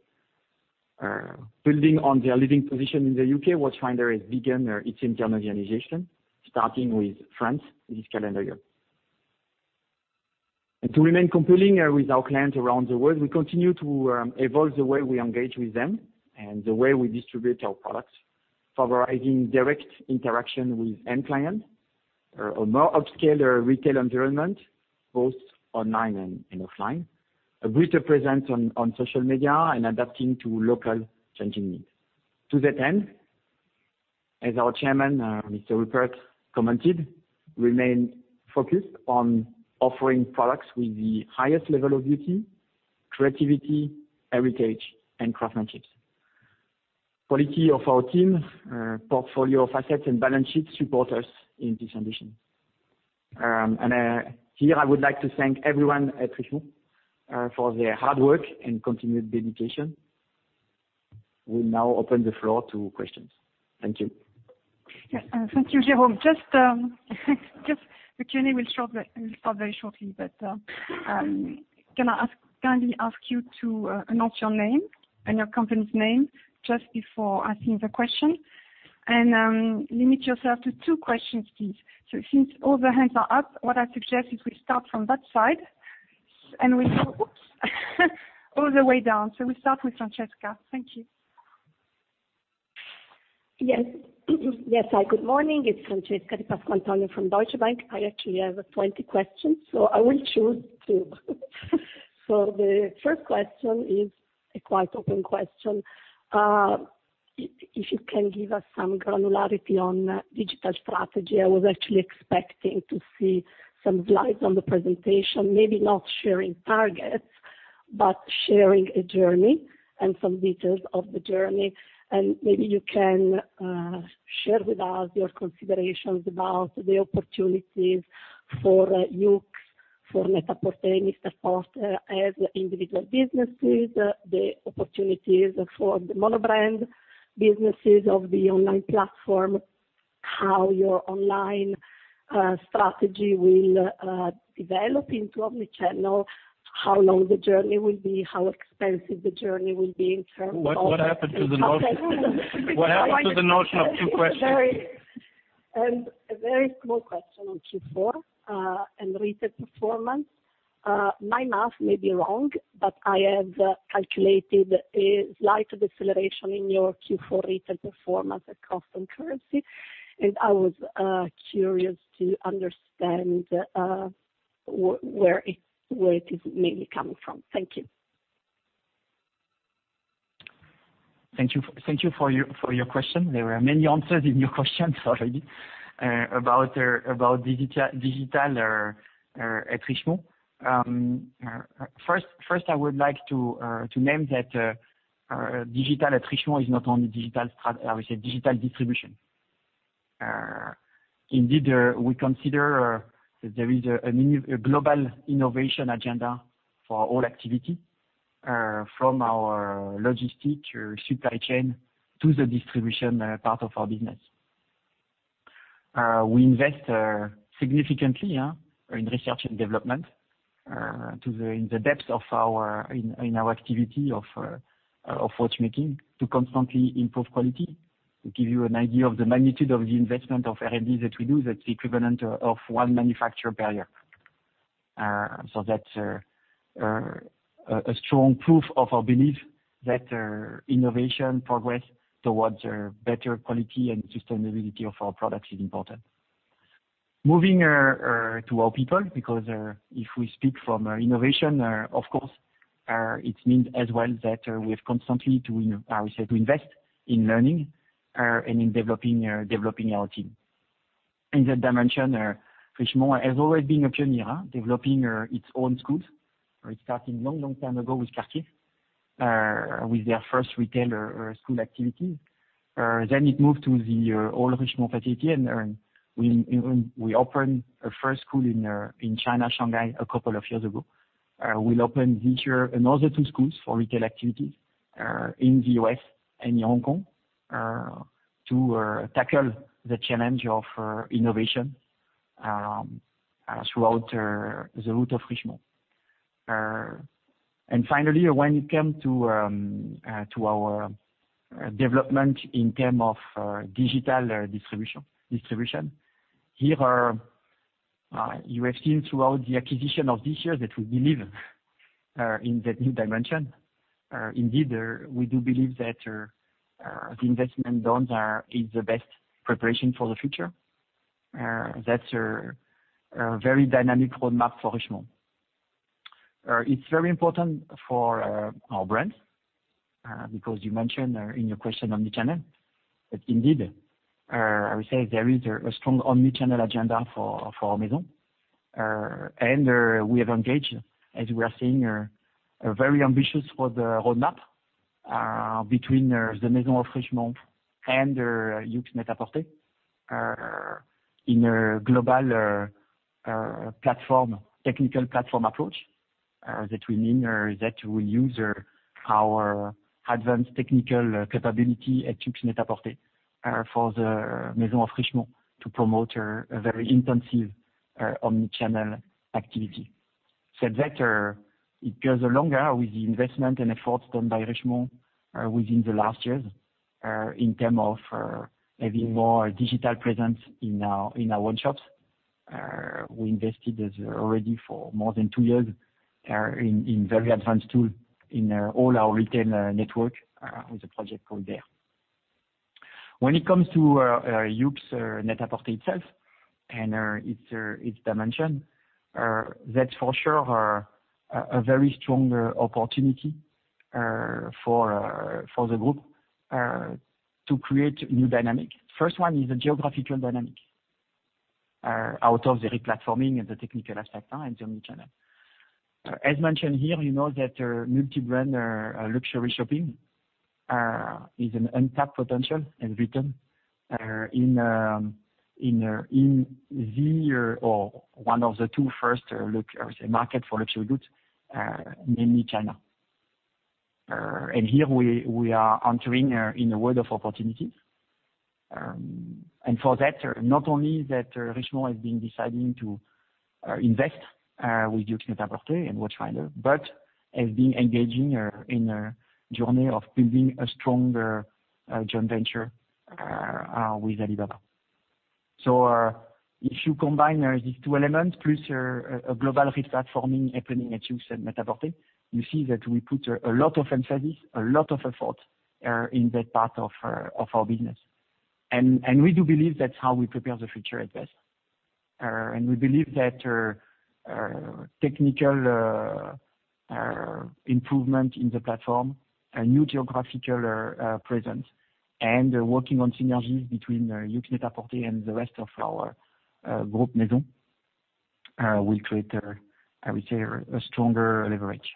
Building on their leading position in the U.K., Watchfinder has begun its internationalization, starting with France this calendar year. To remain compelling with our clients around the world, we continue to evolve the way we engage with them and the way we distribute our products, favoring direct interaction with end clients, a more upscale retail environment, both online and offline, a boosted presence on social media and adapting to local changing needs. To that end, as our Chairman, Mr Rupert, commented, we remain focused on offering products with the highest level of beauty, creativity, heritage, and craftsmanship. Quality of our team, portfolio of assets, and balance sheet support us in this ambition. Here I would like to thank everyone at Richemont for their hard work and continued dedication. We now open the floor to questions. Thank you. Yeah. Thank you, Jérôme. The Q&A will start very shortly, but can I kindly ask you to announce your name and your company's name just before asking the question, and limit yourself to two questions, please. Since all the hands are up, what I suggest is we start from that side and we go, oops, all the way down. We start with Francesca. Thank you. Yes. Hi, good morning. It is Francesca Di Pasquantonio from Deutsche Bank. I actually have 20 questions, I will choose two. The first question is a quite open question. If you can give us some granularity on digital strategy, I was actually expecting to see some slides on the presentation, maybe not sharing targets, but sharing a journey and some details of the journey. Maybe you can share with us your considerations about the opportunities for Yoox, for Net-a-Porter, Mr Porter as individual businesses, the opportunities for the mono brand businesses of the online platform, how your online strategy will develop into omnichannel, how long the journey will be, how expensive the journey will be in terms of- What happened to the notion of two questions? A very small question on Q4 and retail performance. My math may be wrong, I have calculated a slight deceleration in your Q4 retail performance across currency, I was curious to understand where it is mainly coming from. Thank you. Thank you for your question. There are many answers in your question, sorry. About digital at Richemont. First, I would like to name that digital at Richemont is not only digital distribution. Indeed, we consider that there is a global innovation agenda for all activity, from our logistic supply chain to the distribution part of our business. We invest significantly in research and development in the depth in our activity of watchmaking to constantly improve quality. To give you an idea of the magnitude of the investment of R&D that we do, that's the equivalent of one manufacturer per year. That's a strong proof of our belief that innovation progress towards better quality and sustainability of our products is important. Moving to our people, because if we speak from innovation, of course, it means as well that we have constantly to invest in learning and in developing our team. In that dimension, Richemont has always been a pioneer, developing its own schools. It started a long time ago with Cartier, with their first retail school activity. It moved to the old Richemont facility, and we opened a first school in China, Shanghai, a couple of years ago. We'll open this year another two schools for retail activities, in the U.S. and Hong Kong, to tackle the challenge of innovation throughout the route of Richemont. Finally, when it come to our development in term of digital distribution. Here, you have seen throughout the acquisition of this year that we believe in that new dimension. Indeed, we do believe that the investment done is the best preparation for the future. That's a very dynamic roadmap for Richemont. It's very important for our brands, because you mentioned in your question omnichannel, that indeed, I would say there is a strong omnichannel agenda for our Maison. We have engaged, as we are seeing, a very ambitious road map between the Maison of Richemont and Yoox Net-a-Porter in a global technical platform approach, that we mean that we use our advanced technical capability at Yoox Net-a-Porter for the Maison of Richemont to promote a very intensive omnichannel activity. Said that, it goes along with the investment and efforts done by Richemont within the last years in term of having more digital presence in our workshops. We invested as already for more than two years in very advanced tool in all our retail network with the project called Bear. When it comes to Yoox Net-a-Porter itself and its dimension, that for sure are a very strong opportunity for the group to create new dynamic. First one is a geographical dynamic out of the replatforming and the technical aspect and the omnichannel. As mentioned here, you know that multi-brand luxury shopping is an untapped potential in return in one of the two first market for luxury goods, namely China. Here we are entering in a world of opportunity. For that, not only that Richemont has been deciding to invest with Yoox Net-a-Porter and Watchfinder, but has been engaging in a journey of building a stronger joint venture with Alibaba. If you combine these two elements plus a global replatforming happening at Yoox Net-a-Porter, you see that we put a lot of emphasis, a lot of effort in that part of our business. We do believe that's how we prepare the future at best. We believe that technical improvement in the platform, a new geographical presence, and working on synergies between Yoox Net-a-Porter and the rest of our group maison will create, I would say, a stronger leverage.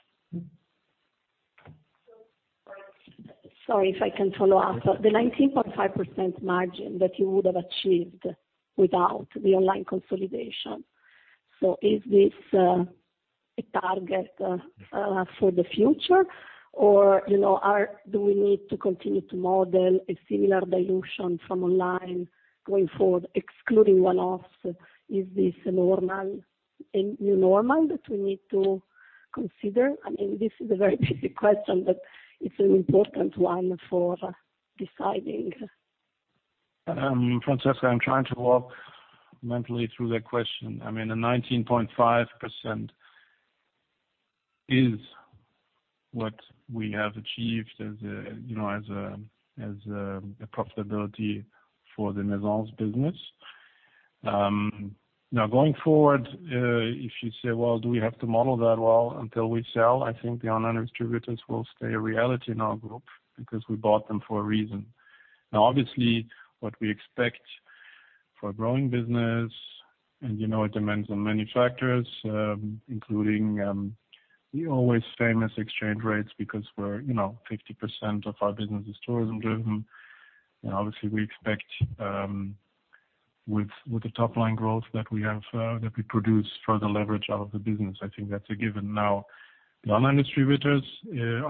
Sorry, if I can follow up. The 19.5% margin that you would have achieved without the online consolidation. Is this a target for the future or do we need to continue to model a similar dilution from online going forward, excluding one-offs? Is this a new normal that we need to consider? This is a very basic question, but it's an important one for deciding. Francesca, I'm trying to walk mentally through that question. The 19.5% is what we have achieved as a profitability for the Maisons business. Going forward, if you say, well, do we have to model that well until we sell? I think the online distributors will stay a reality in our group because we bought them for a reason. Obviously, what we expect for a growing business, and it depends on many factors, including the always famous exchange rates because 50% of our business is tourism-driven. We expect with the top line growth that we produce further leverage out of the business. I think that's a given. The online distributors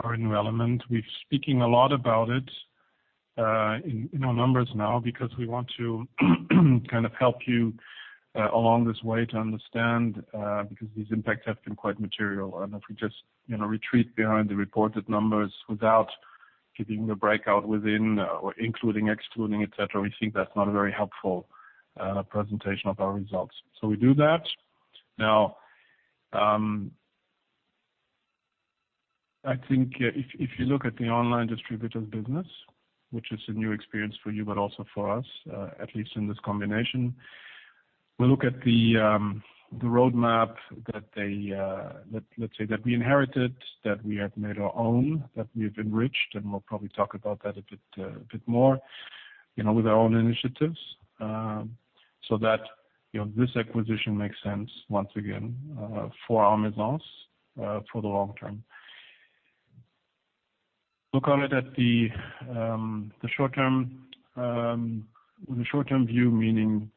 are a new element. We're speaking a lot about it in our numbers now, because we want to kind of help you along this way to understand, because these impacts have been quite material. If we just retreat behind the reported numbers without giving the breakout within or including, excluding, et cetera, we think that's not a very helpful presentation of our results. We do that. I think if you look at the online distributor business, which is a new experience for you, but also for us, at least in this combination. We look at the roadmap, let's say, that we inherited, that we have made our own, that we've enriched, and we'll probably talk about that a bit more with our own initiatives. That this acquisition makes sense once again for our Maisons for the long term. Look on it at the short-term view, meaning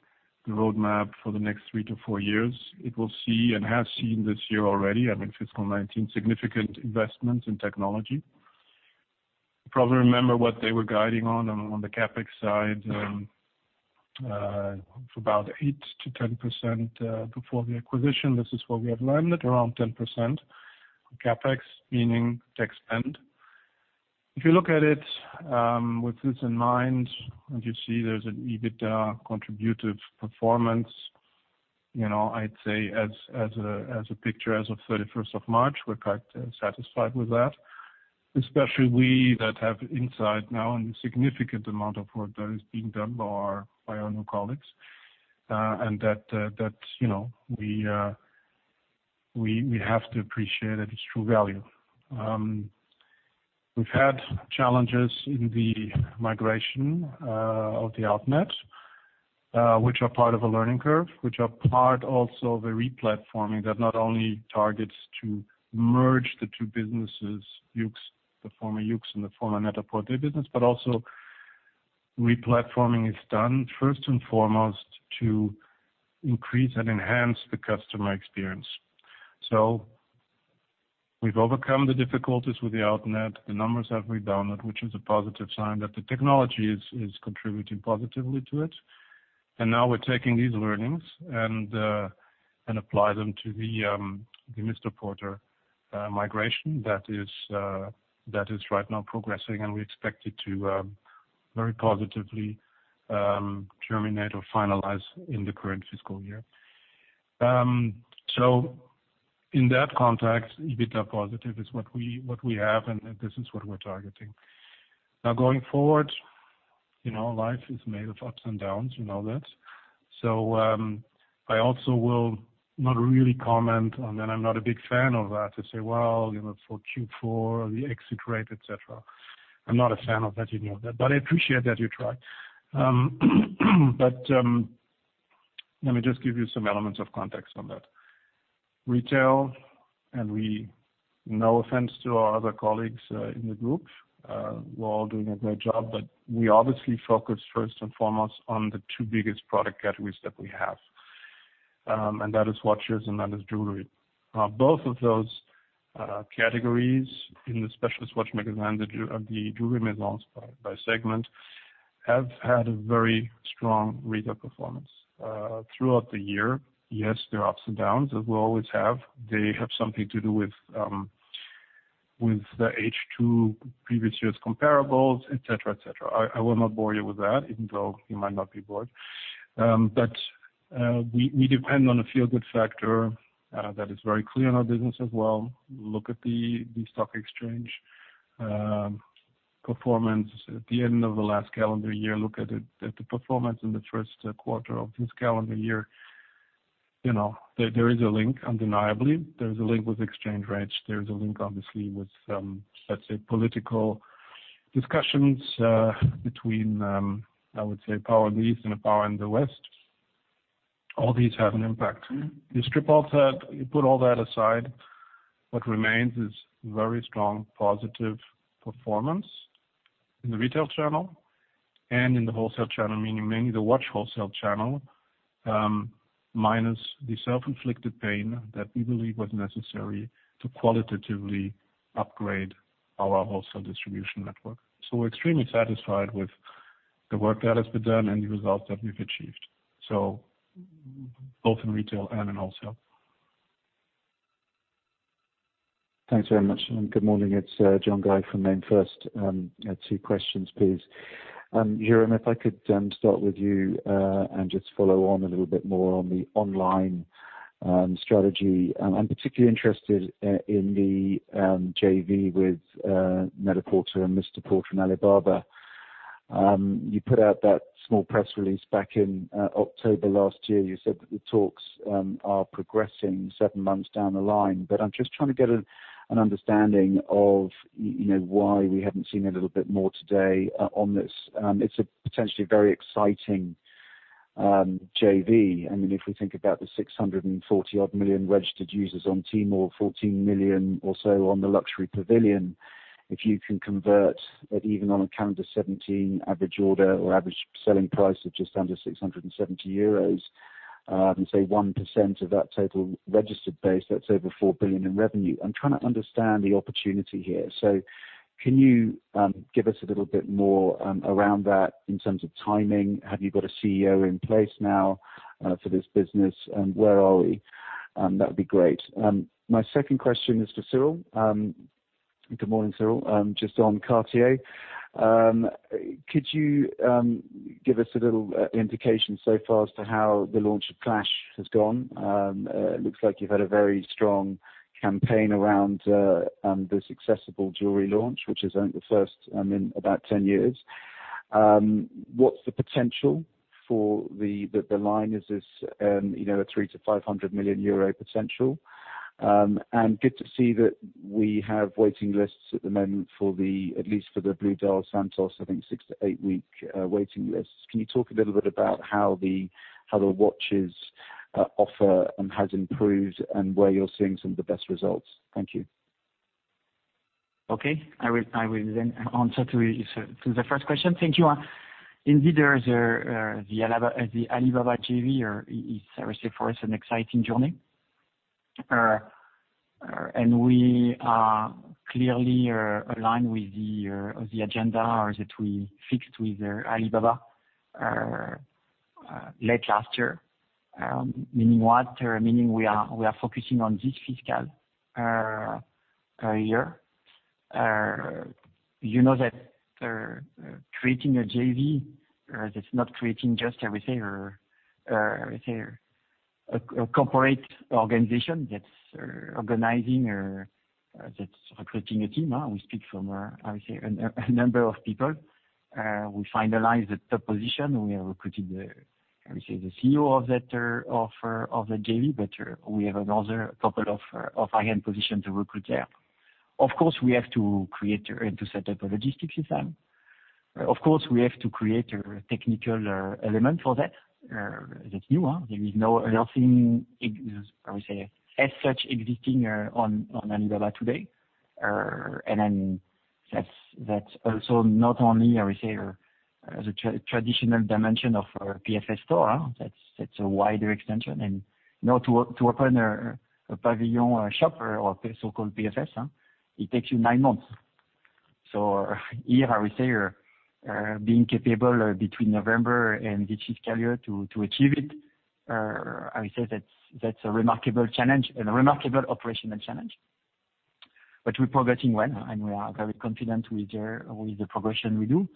the roadmap for the next three to four years. It will see and has seen this year already, I mean fiscal 2019, significant investments in technology. You probably remember what they were guiding on the CapEx side. It's about 8%-10% before the acquisition. This is where we have landed, around 10% CapEx, meaning tech spend. If you look at it with this in mind and you see there's an EBITDA contributive performance, I'd say as a picture as of 31st of March, we're quite satisfied with that. Especially we that have insight now into the significant amount of work that is being done by our new colleagues. That we have to appreciate its true value. We've had challenges in the migration of The Outnet, which are part of a learning curve. Which are part also of a re-platforming that not only targets to merge the two businesses, the former YOOX and the former Net-a-Porter business, but also re-platforming is done first and foremost to increase and enhance the customer experience. We've overcome the difficulties with The Outnet. The numbers have redounded, which is a positive sign that the technology is contributing positively to it. Now we're taking these learnings and apply them to the Mr Porter migration. That is right now progressing, and we expect it to very positively germinate or finalize in the current fiscal year. In that context, EBITDA positive is what we have, and this is what we're targeting. Now, going forward, life is made of ups and downs, we know that. I also will not really comment on that. I'm not a big fan of that to say, "Well, for Q4, the exit rate, et cetera." I'm not a fan of that, you know that. I appreciate that you tried. Let me just give you some elements of context on that. retail, and no offense to our other colleagues in the group, who are all doing a great job, but we obviously focus first and foremost on the two biggest product categories that we have. That is watches and that is jewelry. Now, both of those categories in the specialist watchmakers and the jewelry Maisons by segment have had a very strong retail performance. Throughout the year, yes, there are ups and downs, as we always have. They have something to do with the H2 previous year's comparables, et cetera. I will not bore you with that, even though you might not be bored. We depend on a feel-good factor that is very clear in our business as well. Look at the stock exchange performance at the end of the last calendar year. Look at the performance in the first quarter of this calendar year. There is a link, undeniably. There is a link with exchange rates. There is a link, obviously, with let's say, political discussions between, I would say, a power in the East and a power in the West. All these have an impact. You strip all that, you put all that aside, what remains is very strong, positive performance in the retail channel and in the wholesale channel, meaning mainly the watch wholesale channel. Minus the self-inflicted pain that we believe was necessary to qualitatively upgrade our wholesale distribution network. We're extremely satisfied with the work that has been done and the results that we've achieved, both in retail and in wholesale. Thanks very much. Good morning. It's John Guy from MainFirst. I had two questions, please. Jérôme, if I could start with you and just follow on a little bit more on the online strategy. I'm particularly interested in the JV with Net-a-Porter and Mr Porter and Alibaba. You put out that small press release back in October last year. You said that the talks are progressing seven months down the line. I'm just trying to get an understanding of why we haven't seen a little bit more today on this. It's a potentially very exciting JV. If we think about the 640 odd million registered users on Tmall, 14 million or so on the Luxury Pavilion. If you can convert at even on a calendar 2017 average order or average selling price of just under 670 euros. Say 1% of that total registered base, that's over 4 billion in revenue. I'm trying to understand the opportunity here. Can you give us a little bit more around that in terms of timing? Have you got a CEO in place now for this business, and where are we? That'd be great. My second question is for Cyrille. Good morning, Cyrille. Just on Cartier. Could you give us a little indication so far as to how the launch of Clash has gone? It looks like you've had a very strong campaign around this accessible jewelry launch, which is, I think, the first in about 10 years. What's the potential for the line? Is this a 300 million-500 million euro potential? Good to see that we have waiting lists at the moment, at least for the Blue Dial Santos, I think 6- to 8-week waiting lists. Can you talk a little bit about how the watches offer has improved and where you're seeing some of the best results? Thank you. I will answer to the first question. Thank you. Indeed, the Alibaba JV is, I would say, for us, an exciting journey. We are clearly aligned with the agenda that we fixed with Alibaba late last year. Meaning what? Meaning we are focusing on this fiscal year. You know that creating a JV, that's not creating just, I would say, a corporate organization that's organizing or that's recruiting a team. We speak from, I would say, a number of people. We finalize the top position. We have recruited the CEO of that JV, but we have another couple of high-end positions to recruit there. Of course, we have to create and to set up a logistics system. Of course, we have to create a technical element for that. That's new. There is nothing, I would say, as such existing on Alibaba today. That's also not only, I would say, the traditional dimension of PFS store. That's a wider extension. To open a pavilion or a shop or so-called PFS, it takes you 9 months. Here, I would say, being capable between November and this fiscal year to achieve it, I would say that's a remarkable operational challenge. We're progressing well, and we are very confident with the progression we do.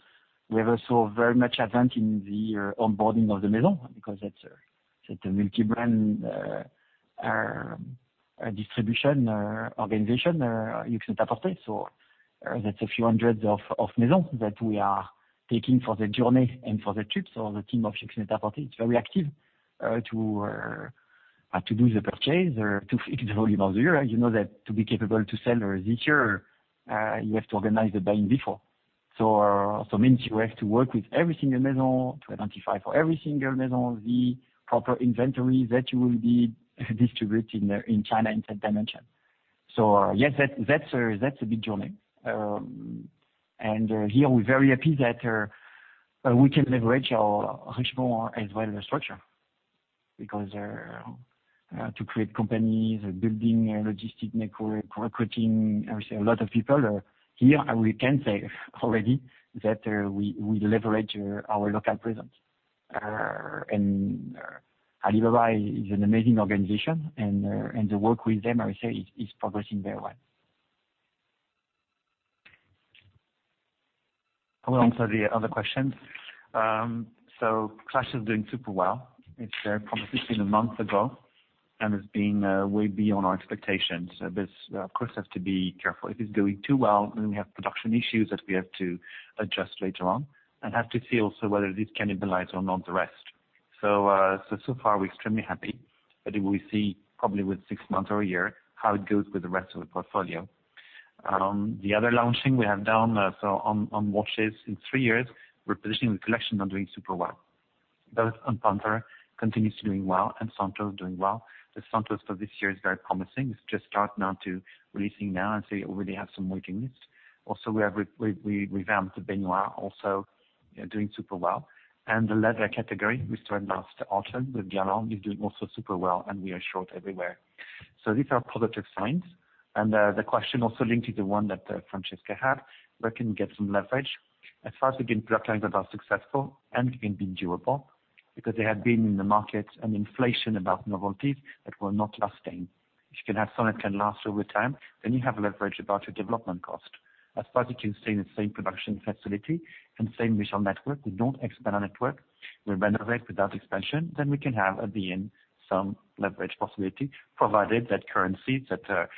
We have also very much advanced in the onboarding of the maison because that's a multi-brand distribution organization, Yoox Net-a-Porter. That's a few hundreds of maison that we are taking for the journey and for the trip. The team of Yoox Net-a-Porter is very active to do the purchase, to fit the volume of the year. You know that to be capable to sell this year, you have to organize the buying before. It means you have to work with every single maison to identify for every single maison the proper inventory that you will be distributing in China in that dimension. Yes, that's a big journey. Here we're very happy that we can leverage Richemont as well in the structure because to create companies, building a logistic network, recruiting, I would say, a lot of people, here we can say already that we leverage our local presence. Alibaba is an amazing organization, and the work with them, I would say, is progressing very well. I will answer the other question. Clash is doing super well. It's probably 15 months ago and has been way beyond our expectations. Of course, we have to be careful. If it's doing too well, then we have production issues that we have to adjust later on and have to see also whether this cannibalize or not the rest. Far we're extremely happy, but we see probably with 6 months or a year how it goes with the rest of the portfolio. The other launching we have done on watches in 3 years, repositioning the collection and doing super well. Both on Panthère continues to doing well and Santos doing well. The Santos for this year is very promising. It's just starting now to releasing now, and we already have some waiting list. Also we revamped the Baignoire, also doing super well. The leather category, we started last autumn with Guirlande de Cartier, is doing also super well, and we are short everywhere. These are positive signs. The question also linked to the one that Francesca had, where can you get some leverage? As far as we can, product lines that are successful and can be durable because they had been in the market an inflation about novelties that were not lasting. If you can have some that can last over time, then you have leverage about your development cost. As far as you can stay in the same production facility and same visual network, we don't expand our network, we renovate without expansion, then we can have at the end some leverage possibility, provided that currencies, that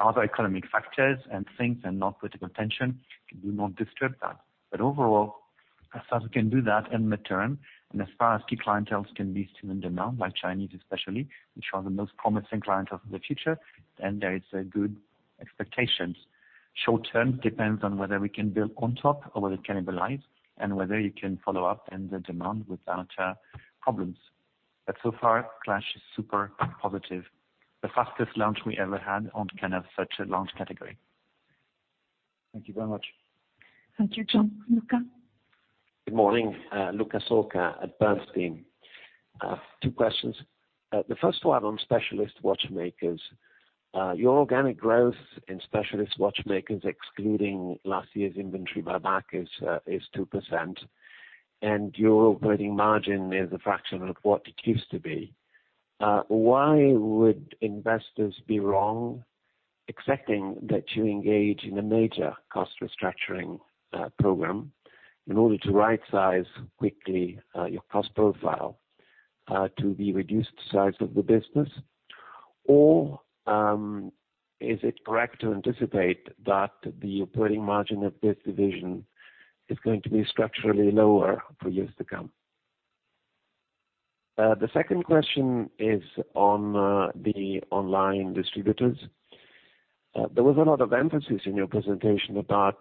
other economic factors and things and not political tension, do not disrupt that. Overall, as far as we can do that in the term, and as far as key clienteles can be still in demand, like Chinese especially, which are the most promising clientele of the future, then there is a good expectations. Short term depends on whether we can build on top or whether it cannibalizes, and whether you can follow up in the demand without problems. So far, Clash is super positive. The fastest launch we ever had on kind of such a launch category. Thank you very much. Thank you, John. Luca? Good morning. Luca Solca at Bernstein. Two questions. The first one on specialist watchmakers. Your organic growth in specialist watchmakers, excluding last year's inventory buyback, is 2%, and your operating margin is a fraction of what it used to be. Why would investors be wrong expecting that you engage in a major cost restructuring program in order to right-size quickly your cost profile to the reduced size of the business? Or is it correct to anticipate that the operating margin of this division is going to be structurally lower for years to come? The second question is on the online distributors. There was a lot of emphasis in your presentation about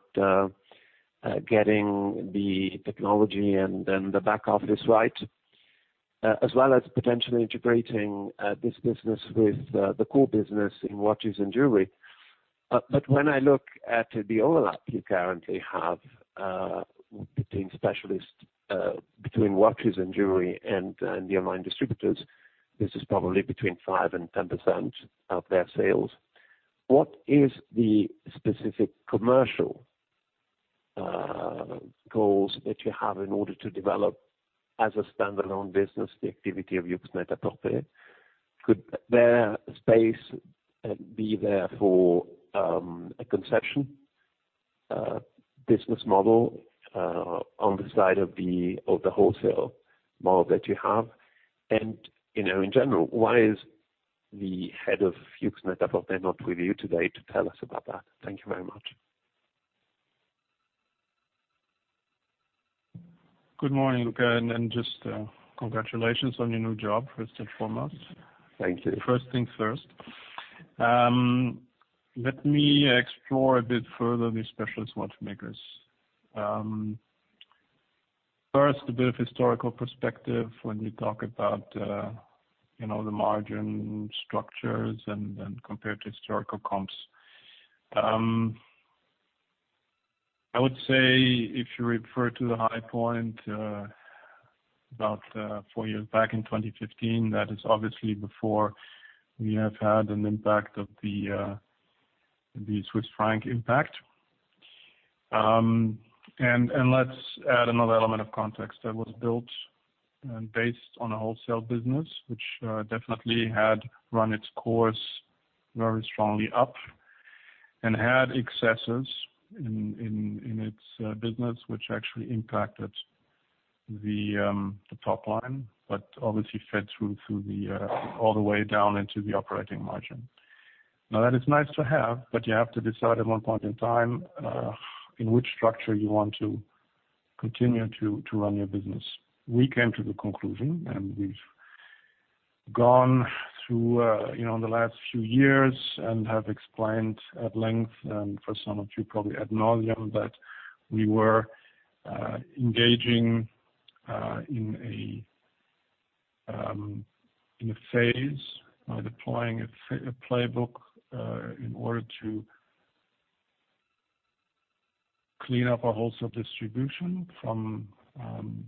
getting the technology and the back office right, as well as potentially integrating this business with the core business in watches and jewelry. When I look at the overlap you currently have between watches and jewelry and the online distributors, this is probably between 5%-10% of their sales. What is the specific commercial goals that you have in order to develop as a standalone business the activity of Yoox Net-a-Porter? Could there space be there for a conception business model on the side of the wholesale model that you have? In general, why is the head of Yoox Net-a-Porter not with you today to tell us about that? Thank you very much. Good morning, Luca, just congratulations on your new job, first and foremost. Thank you. First things first. Let me explore a bit further the specialist watchmakers. First, a bit of historical perspective when we talk about the margin structures and compared to historical comps. I would say if you refer to the high point about four years back in 2015, that is obviously before we have had an impact of the Swiss franc impact. Let's add another element of context that was built based on a wholesale business, which definitely had run its course very strongly up and had excesses in its business, which actually impacted the top line, but obviously fed all the way down into the operating margin. That is nice to have, but you have to decide at one point in time in which structure you want to continue to run your business. We came to the conclusion, we've gone through the last few years and have explained at length, and for some of you probably ad nauseam, that we were engaging in a phase by deploying a playbook in order to clean up our wholesale distribution from,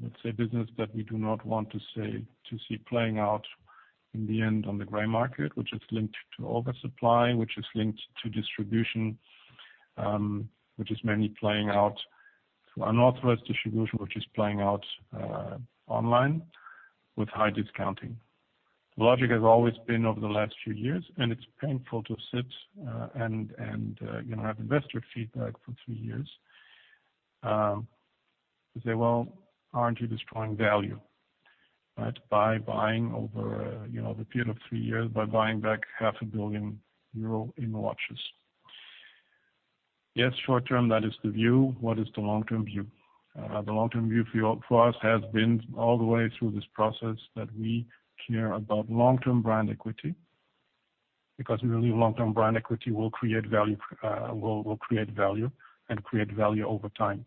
let's say, business that we do not want to see playing out in the end on the gray market, which is linked to oversupply, which is linked to distribution, which is mainly playing out to unauthorized distribution, which is playing out online with high discounting. The logic has always been over the last few years, and it's painful to sit and have investor feedback for 3 years, to say, "Well, aren't you destroying value by buying over the period of 3 years, by buying back half a billion EUR in watches?" Yes, short term, that is the view. What is the long-term view? The long-term view for us has been all the way through this process that we care about long-term brand equity, because we believe long-term brand equity will create value over time.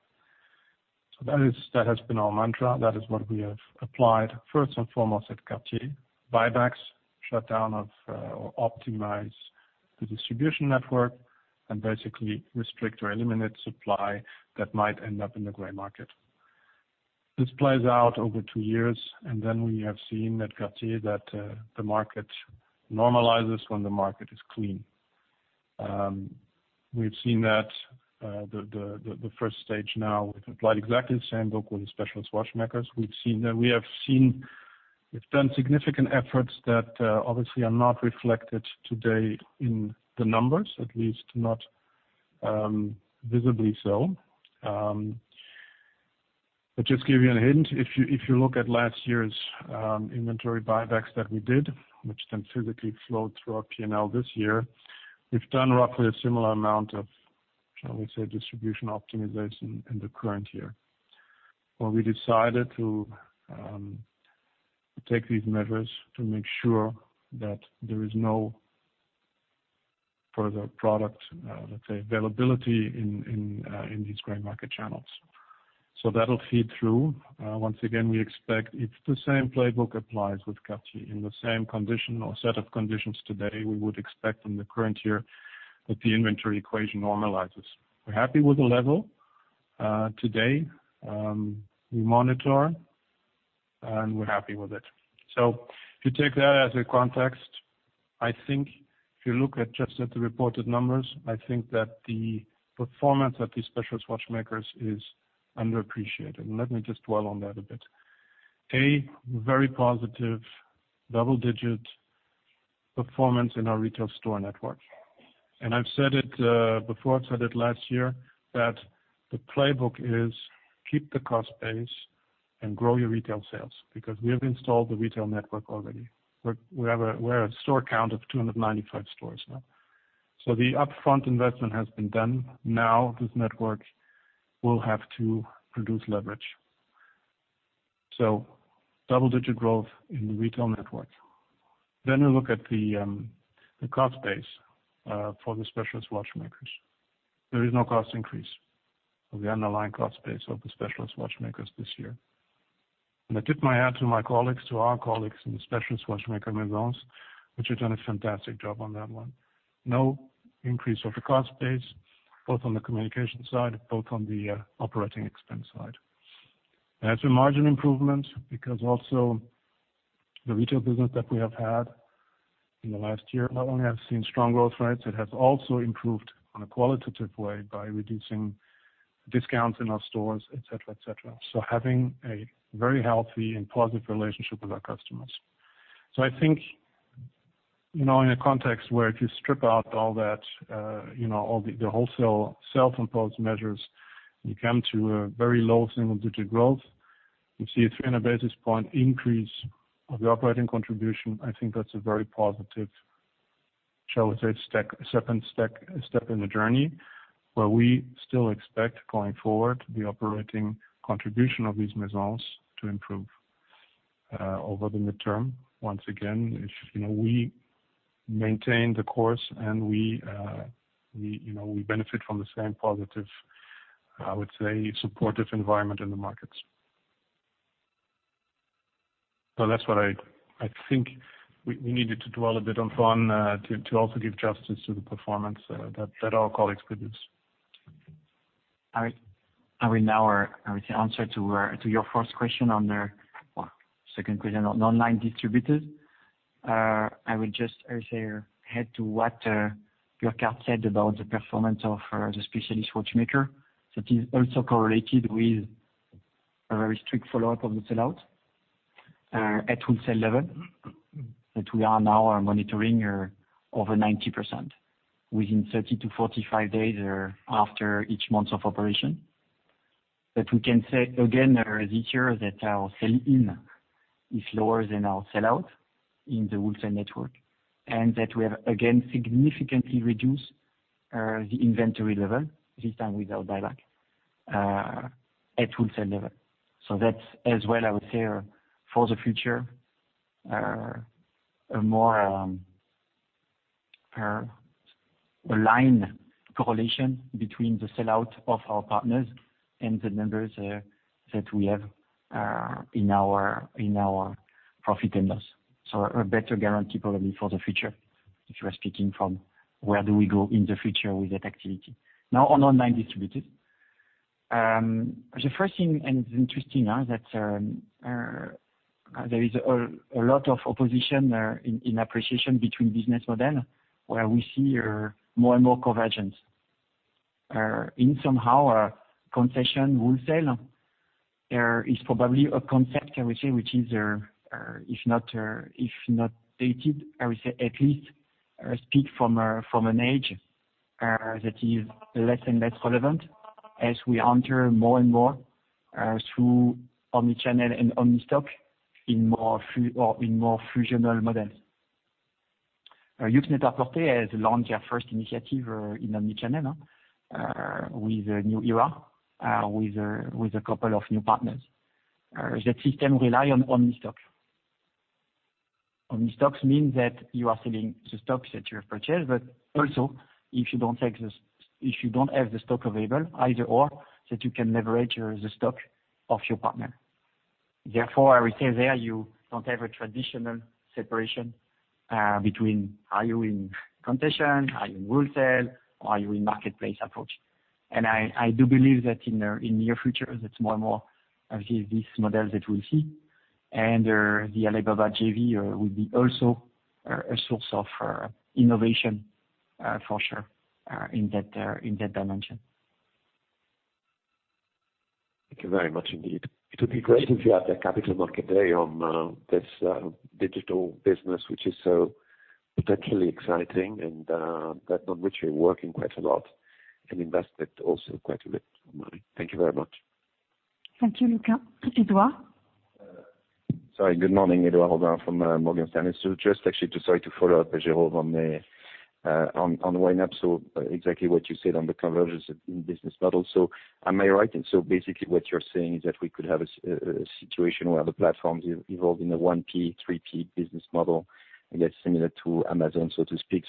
That has been our mantra. That is what we have applied first and foremost at Cartier. Buybacks, shut down of, or optimize the distribution network, and basically restrict or eliminate supply that might end up in the gray market. This plays out over 2 years, then we have seen at Cartier that the market normalizes when the market is clean. We've seen that the first stage now, we've applied exactly the same book with the specialist watchmakers. We have seen we've done significant efforts that obviously are not reflected today in the numbers, at least not visibly so. Just give you a hint, if you look at last year's inventory buybacks that we did, which then physically flowed through our P&L this year, we've done roughly a similar amount of, shall we say, distribution optimization in the current year, where we decided to take these measures to make sure that there is no further product, let's say, availability in these gray market channels. That'll feed through. Once again, we expect it's the same playbook applies with Cartier in the same condition or set of conditions today, we would expect in the current year that the inventory equation normalizes. We're happy with the level today. We monitor and we're happy with it. If you take that as a context, I think if you look at just at the reported numbers, I think that the performance of these specialist watchmakers is underappreciated, let me just dwell on that a bit. A very positive double-digit performance in our retail store network. I've said it before, I've said it last year that the playbook is keep the cost base and grow your retail sales, because we have installed the retail network already. We have a store count of 295 stores now. The upfront investment has been done. Now this network will have to produce leverage. Double-digit growth in the retail network. We look at the cost base for the specialist watchmakers. There is no cost increase of the underlying cost base of the specialist watchmakers this year. I tip my hat to my colleagues, to our colleagues in the specialist watchmaker maisons, which have done a fantastic job on that one. No increase of the cost base, both on the communication side, both on the operating expense side. There's a margin improvement because also the retail business that we have had in the last year not only has seen strong growth rates, it has also improved on a qualitative way by reducing discounts in our stores, et cetera. Having a very healthy and positive relationship with our customers. I think, in a context where if you strip out all the wholesale self-imposed measures, you come to a very low single-digit growth. You see a 300 basis points increase of the operating contribution. I think that's a very positive, shall we say, second step in the journey, where we still expect going forward the operating contribution of these maisons to improve over the midterm. Once again, if we maintain the course and we benefit from the same positive, I would say supportive environment in the markets. That's what I think we needed to dwell a bit on, Luca, to also give justice to the performance that our colleagues produced. I will now answer to your first question on the second question on online distributors. I will just add here head to what your card said about the performance of the specialist watchmaker that is also correlated with a very strict follow-up of the sell-out, at wholesale level, that we are now monitoring over 90%, within 30-45 days or after each month of operation. That we can say again this year that our sell-in is lower than our sell-out in the wholesale network, and that we have again significantly reduced the inventory level, this time with our buyback, at wholesale level. That's as well, I would say for the future, a more line correlation between the sell-out of our partners and the numbers that we have in our profit and loss. A better guarantee probably for the future, if you are speaking from where do we go in the future with that activity. Now on online distributors. The first thing, it's interesting that there is a lot of opposition in appreciation between business model where we see more and more convergence. In somehow concession wholesale, there is probably a concept, I would say, which is if not dated, I would say at least speak from an age that is less and less relevant as we enter more and more through omnichannel and omni-stock in more fusional models. Luxottica has launched their first initiative in omnichannel with a new era, with a couple of new partners. That system rely on omni-stock. Omni-stock means that you are selling the stock that you have purchased, but also if you don't have the stock available either or, that you can leverage the stock of your partner. Therefore, I would say there you don't have a traditional separation between are you in concession, are you in wholesale, or are you in marketplace approach. I do believe that in near future, it's more and more of these models that we'll see. The Alibaba JV will be also a source of innovation for sure in that dimension. Thank you very much indeed. It would be great if you had a capital market day on this digital business, which is so potentially exciting and that on which you're working quite a lot and invested also quite a bit of money. Thank you very much. Thank you, Luca. Edouard? Sorry, good morning, Edouard from Morgan Stanley. Just actually to follow up, Jérôme, on the wind up. Exactly what you said on the convergence in business model. Am I right in what you're saying is that we could have a situation where the platforms evolve in a 1P, 3P business model that's similar to Amazon, so to speak.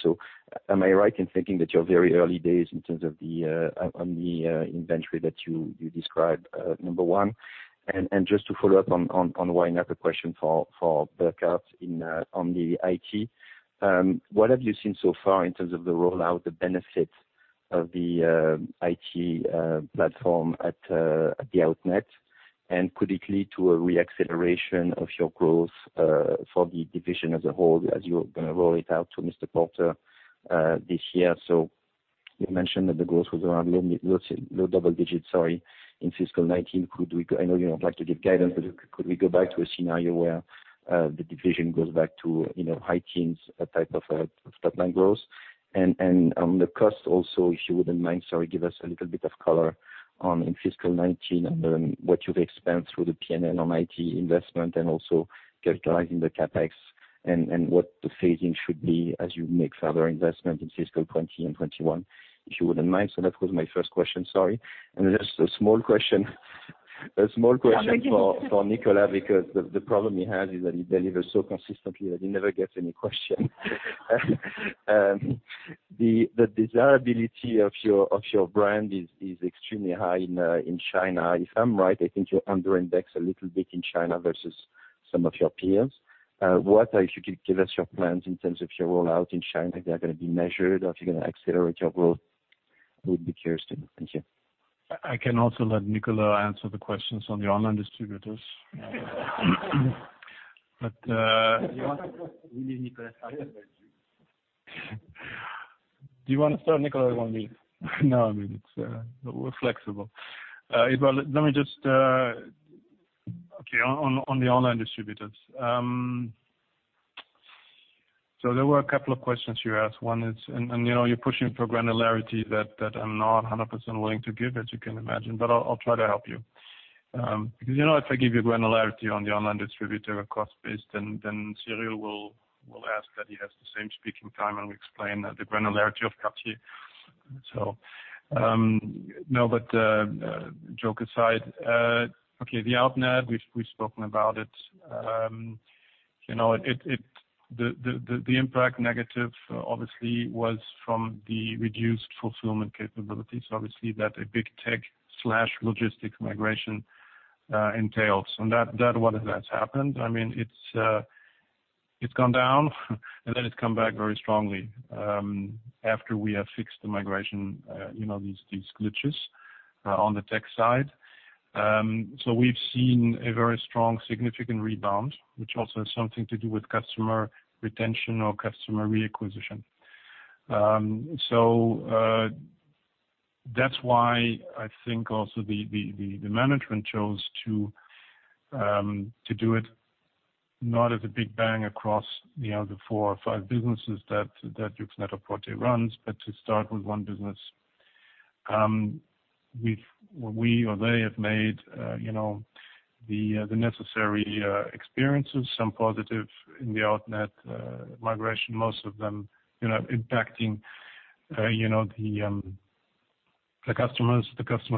Am I right in thinking that you're very early days in terms of the inventory that you described, number one? Just to follow up on YNAP, a question for Burkhart on the IT. What have you seen so far in terms of the rollout, the benefits of the IT platform at The Outnet, and could it lead to a re-acceleration of your growth for the division as a whole as you are going to roll it out to Mr Porter this year? You mentioned that the growth was around low double digits in fiscal 2019. I know you don't like to give guidance, but could we go back to a scenario where the division goes back to high teens type of flatline growth? On the cost also, if you wouldn't mind, give us a little bit of color on, in fiscal 2019, what you've spent through the P&L on IT investment and also capitalizing the CapEx and what the phasing should be as you make further investment in fiscal 2020 and 2021. If you wouldn't mind. That was my first question. Sorry. Just a small question for Nicolas, because the problem he has is that he delivers so consistently that he never gets any question. The desirability of your brand is extremely high in China. If I'm right, I think you under-index a little bit in China versus some of your peers. If you could give us your plans in terms of your rollout in China. Is that going to be measured, or if you're going to accelerate your growth? I would be curious to know. Thank you. I can also let Nicolas answer the questions on the online distributors. We leave Nicolas out of everything. Do you want to start, Nicolas, or you want me? No, it's, we're flexible. Edouard, let me just Okay, on the online distributors. There were a couple of questions you asked. One is, and you're pushing for granularity that I'm not 100% willing to give, as you can imagine. I'll try to help you. If I give you granularity on the online distributor cost base, then Cyrille will ask that he has the same speaking time and explain the granularity of Cartier. No, but joke aside, okay, The Outnet, we've spoken about it. The impact, negative, obviously, was from the reduced fulfillment capabilities, obviously, that a big tech/logistics migration entails. That one, that's happened. It's gone down, and then it's come back very strongly after we have fixed the migration, these glitches on the tech side. We've seen a very strong, significant rebound, which also has something to do with customer retention or customer reacquisition. That's why I think also the management chose to do it not as a big bang across the other four or five businesses that Yoox Net-a-Porter runs, but to start with one business. We, or they, have made the necessary experiences, some positive in The Outnet migration, most of them impacting the customer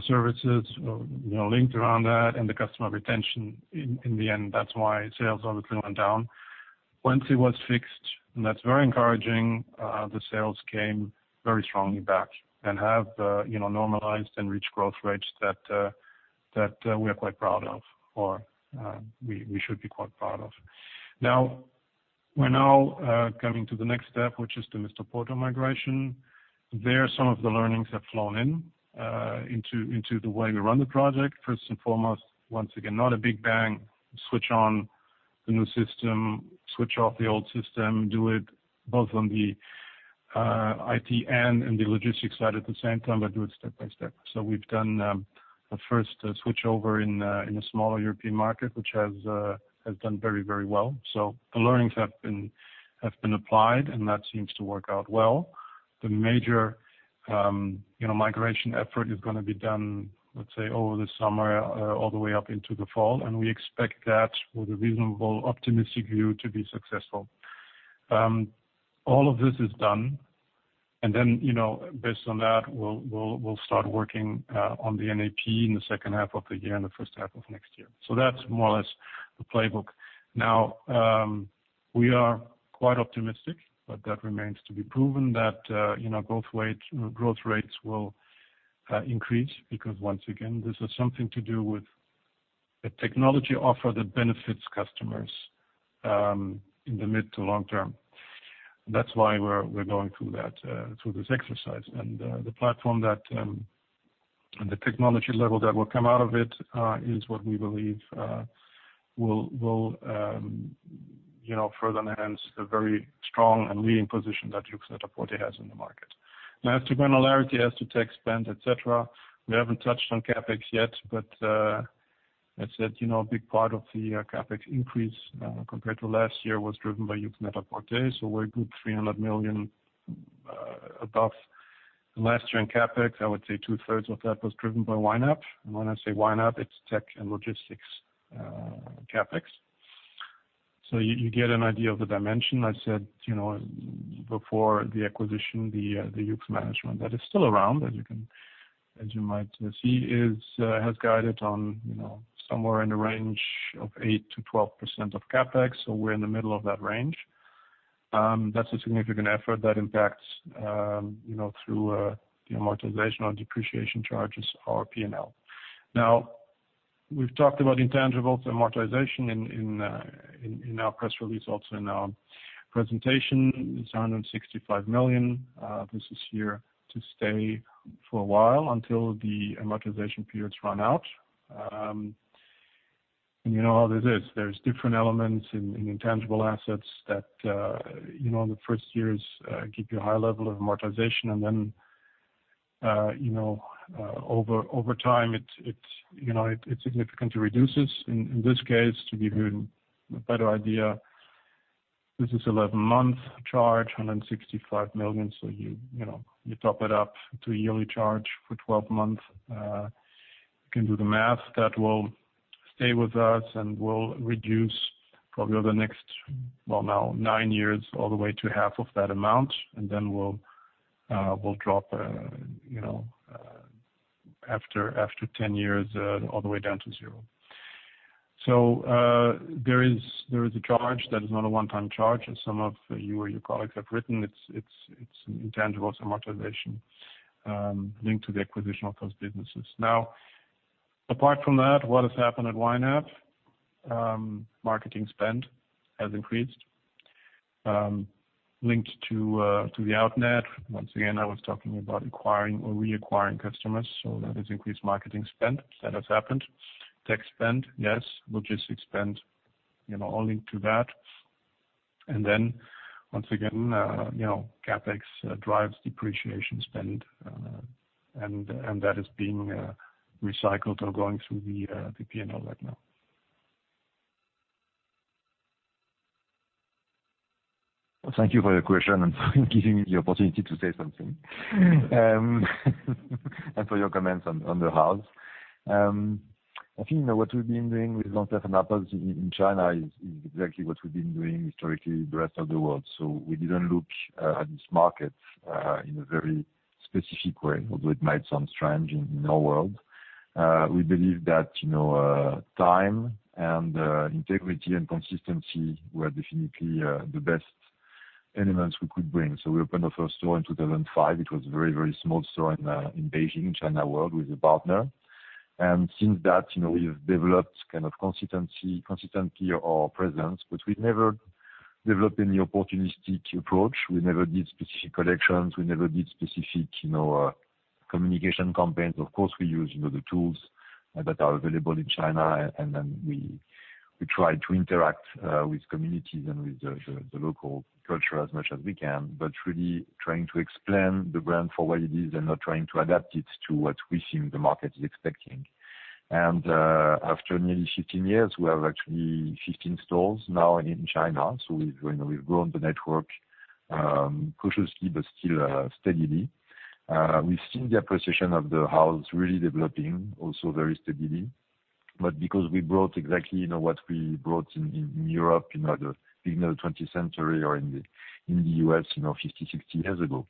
services linked around that and the customer retention. In the end, that's why sales obviously went down. Once it was fixed, and that's very encouraging, the sales came very strongly back and have normalized and reached growth rates that we are quite proud of, or we should be quite proud of. We're now coming to the next step, which is the Mr Porter migration. There, some of the learnings have flown in into the way we run the project. First and foremost, once again, not a big bang, switch on the new system, switch off the old system, do it both on the IT and the logistics side at the same time, but do it step by step. We've done a first switchover in a smaller European market, which has done very well. The learnings have been applied, and that seems to work out well. The major migration effort is going to be done, let's say, over the summer, all the way up into the fall, and we expect that with a reasonable optimistic view to be successful. All of this is done, and then, based on that, we'll start working on the NAP in the second half of the year and the first half of next year. That's more or less the playbook. We are quite optimistic, but that remains to be proven that growth rates will increase because once again, this is something to do with a technology offer that benefits customers in the mid to long term. That's why we're going through this exercise, and the platform that, and the technology level that will come out of it, is what we believe will further enhance the very strong and leading position that Yoox Net-a-Porter has in the market. As to granularity, as to tech spend, et cetera, we haven't touched on CapEx yet, but as said, a big part of the CapEx increase compared to last year was driven by Yoox Net-a-Porter. We're a good 300 million above last year in CapEx. I would say two-thirds of that was driven by YNAP. When I say YNAP, it's tech and logistics CapEx. You get an idea of the dimension. I said before the acquisition, the Yoox management, that is still around, as you might see, has guided on somewhere in the range of 8%-12% of CapEx, so we're in the middle of that range. That's a significant effort that impacts, through the amortization or depreciation charges, our P&L. We've talked about intangibles amortization in our press release, also in our presentation. It's 165 million. This is here to stay for a while until the amortization periods run out. You know how this is. There's different elements in intangible assets that, the first years, give you a high level of amortization, and then, over time, it significantly reduces. In this case, to give you a better idea, this is an 11-month charge, 165 million. You top it up to a yearly charge for 12 months. You can do the math. That will stay with us, and will reduce probably over the next, well, now nine years, all the way to half of that amount. Then will drop, after 10 years, all the way down to zero. There is a charge that is not a one-time charge, as some of you or your colleagues have written. It's an intangible amortization linked to the acquisition of those businesses. Apart from that, what has happened at YNAP? Marketing spend has increased, linked to The Outnet. Once again, I was talking about acquiring or reacquiring customers, so that has increased marketing spend. That has happened. Tech spend, yes. Logistics spend, all linked to that. Then, once again, CapEx drives depreciation spend, and that is being recycled or going through the P&L right now. Well, thank you for your question and for giving me the opportunity to say something. For your comments on the house. I think what we've been doing with Van Cleef & Arpels in China is exactly what we've been doing historically the rest of the world. We didn't look at this market in a very specific way, although it might sound strange in our world. We believe that time and integrity and consistency were definitely the best elements we could bring. We opened the first store in 2005. It was a very, very small store in Beijing, China World, with a partner. Since that, we've developed kind of consistently our presence, but we've never developed any opportunistic approach. We never did specific collections. We never did specific communication campaigns. Of course, we use the tools that are available in China, and then we try to interact with communities and with the local culture as much as we can. Really trying to explain the brand for what it is and not trying to adapt it to what we think the market is expecting. After nearly 15 years, we have actually 15 stores now in China. We've grown the network cautiously, but still steadily. We've seen the appreciation of the house really developing, also very steadily. Because we brought exactly what we brought in Europe in the beginning of the 20th century or in the U.S. 50, 60 years ago,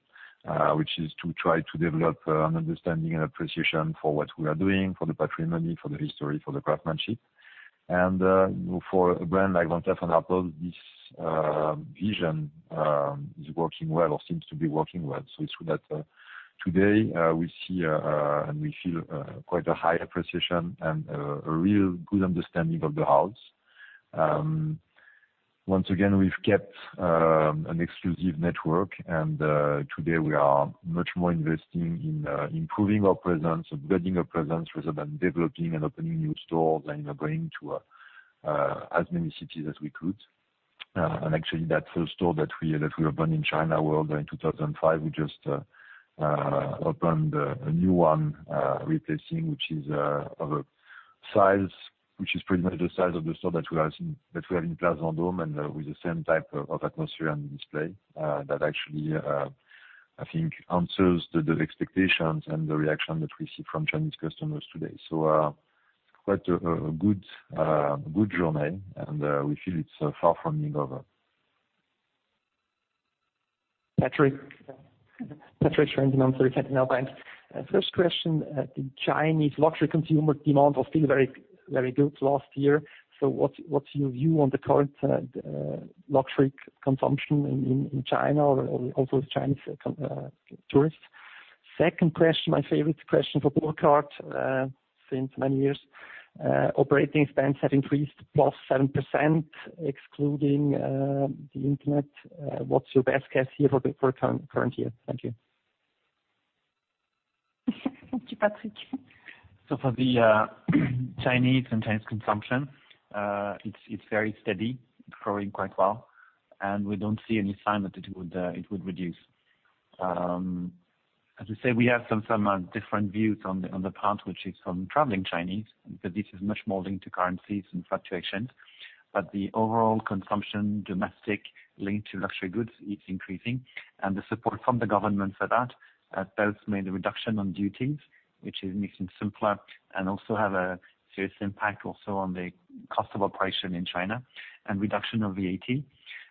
which is to try to develop an understanding and appreciation for what we are doing, for the patrimony, for the history, for the craftsmanship. For a brand like Longchamp and Berluti, this vision is working well or seems to be working well. It's good that today we see and we feel quite a high appreciation and a real good understanding of the house. Once again, we've kept an exclusive network. Today we are much more investing in improving our presence or building a presence, rather than developing and opening new stores and going to as many cities as we could. That first store that we opened in China World in 2005, we just opened a new one replacing, which is of a size, which is pretty much the size of the store that we have in Place Vendôme, and with the same type of atmosphere and display. That actually, I think answers the expectations and the reaction that we see from Chinese customers today. Quite a good journey. We feel it's far from being over. Patrik Schwendimann, Zürcher Kantonalbank. First question. The Chinese luxury consumer demand was still very good last year. What's your view on the current luxury consumption in China or also with Chinese tourists? Second question. My favorite question for Burkhart since many years. Operating spends have increased +7%, excluding the internet. What's your best guess here for current year? Thank you. Thank you, Patrik. For the Chinese and Chinese consumption, it is very steady. It is growing quite well. We don't see any sign that it would reduce. As I say, we have some different views on the part which is from traveling Chinese, because this is much more linked to currencies and fluctuations. The overall consumption, domestic linked to luxury goods, it is increasing. The support from the government for that, both made a reduction on duties, which is making it simpler and also have a serious impact also on the cost of operation in China and reduction of VAT,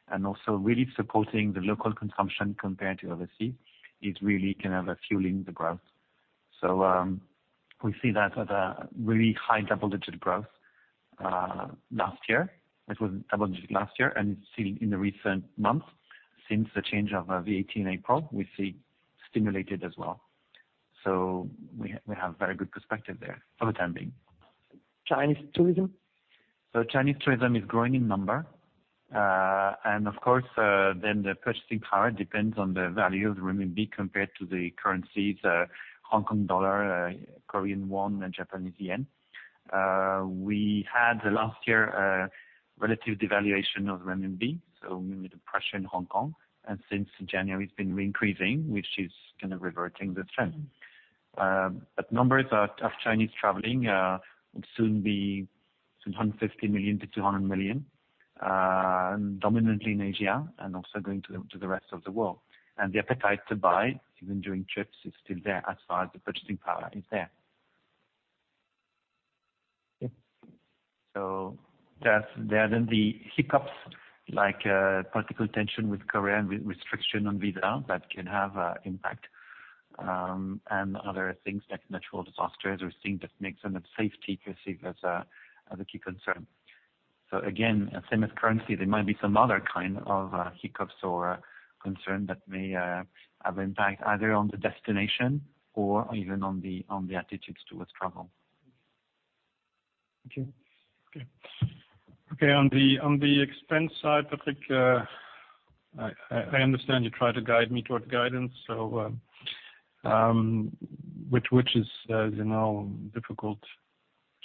and also really supporting the local consumption compared to overseas, it really can have a fueling the growth. We see that as a really high double-digit growth last year. It was double-digit last year, and still in the recent months since the change of VAT in April, we see stimulated as well. We have very good perspective there for the time being. Chinese tourism? Chinese tourism is growing in number. Of course, then the purchasing power depends on the value of the renminbi compared to the currencies, Hong Kong dollar, Korean won, and Japanese yen. We had last year a relative devaluation of renminbi, mainly the pressure in Hong Kong. Since January, it has been re-increasing, which is kind of reverting the trend. Numbers of Chinese traveling will soon be 150 million to 200 million, dominantly in Asia and also going to the rest of the world. The appetite to buy, even during trips, is still there as far as the purchasing power is there. There then the hiccups, like political tension with Korea and restriction on visa that can have impact. Other things like natural disasters or things that makes them unsafe to receive as a key concern. Again, same as currency, there might be some other kind of hiccups or concern that may have impact either on the destination or even on the attitudes towards travel. Okay. On the expense side, Patrik, I understand you try to guide me towards guidance, which is difficult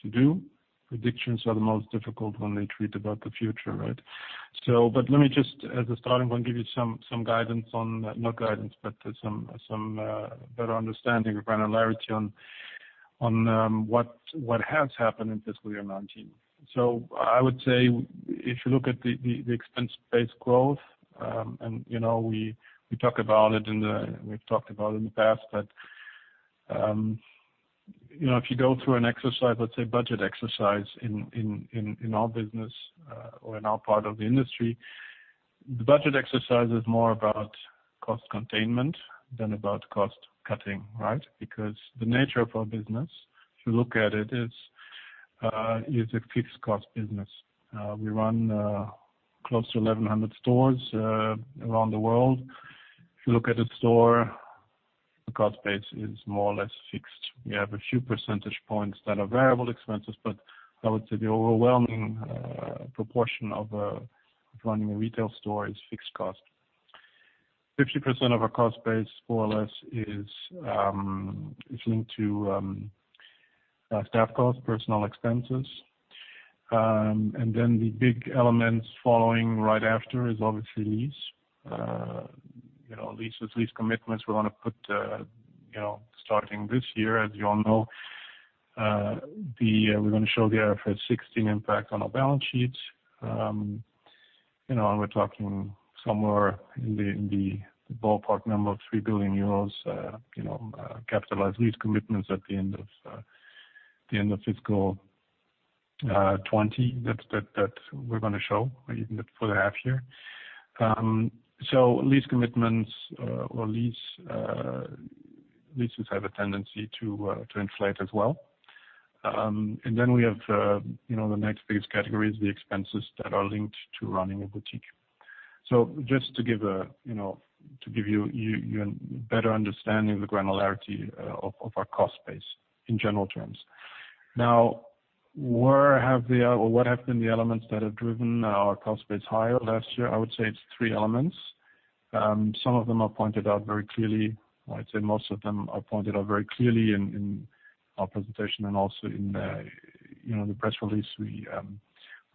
to do. Predictions are the most difficult when they treat about the future, right? Let me just, as a starting point, give you some guidance on, not guidance, but some better understanding or granularity on what has happened in fiscal year 2019. I would say, if you look at the expense base growth, we've talked about it in the past, if you go through an exercise, let's say budget exercise in our business or in our part of the industry, the budget exercise is more about cost containment than about cost cutting, right? Because the nature of our business, if you look at it, is a fixed cost business. We run close to 1,100 stores around the world. If you look at a store, the cost base is more or less fixed. We have a few percentage points that are variable expenses, I would say the overwhelming proportion of running a retail store is fixed cost. 50% of our cost base, more or less, is linked to staff costs, personal expenses. The big elements following right after is obviously lease. Lease commitments we want to put, starting this year, as you all know, we're going to show the IFRS 16 impact on our balance sheets. We're talking somewhere in the ballpark number of 3 billion euros, capitalized lease commitments at the end of fiscal 2020. That we're going to show for the half year. Lease commitments or leases have a tendency to inflate as well. We have the next biggest category is the expenses that are linked to running a boutique. Just to give you a better understanding of the granularity of our cost base in general terms. Now, what have been the elements that have driven our cost base higher last year? I would say it's three elements. Some of them are pointed out very clearly. I'd say most of them are pointed out very clearly in our presentation and also in the press release we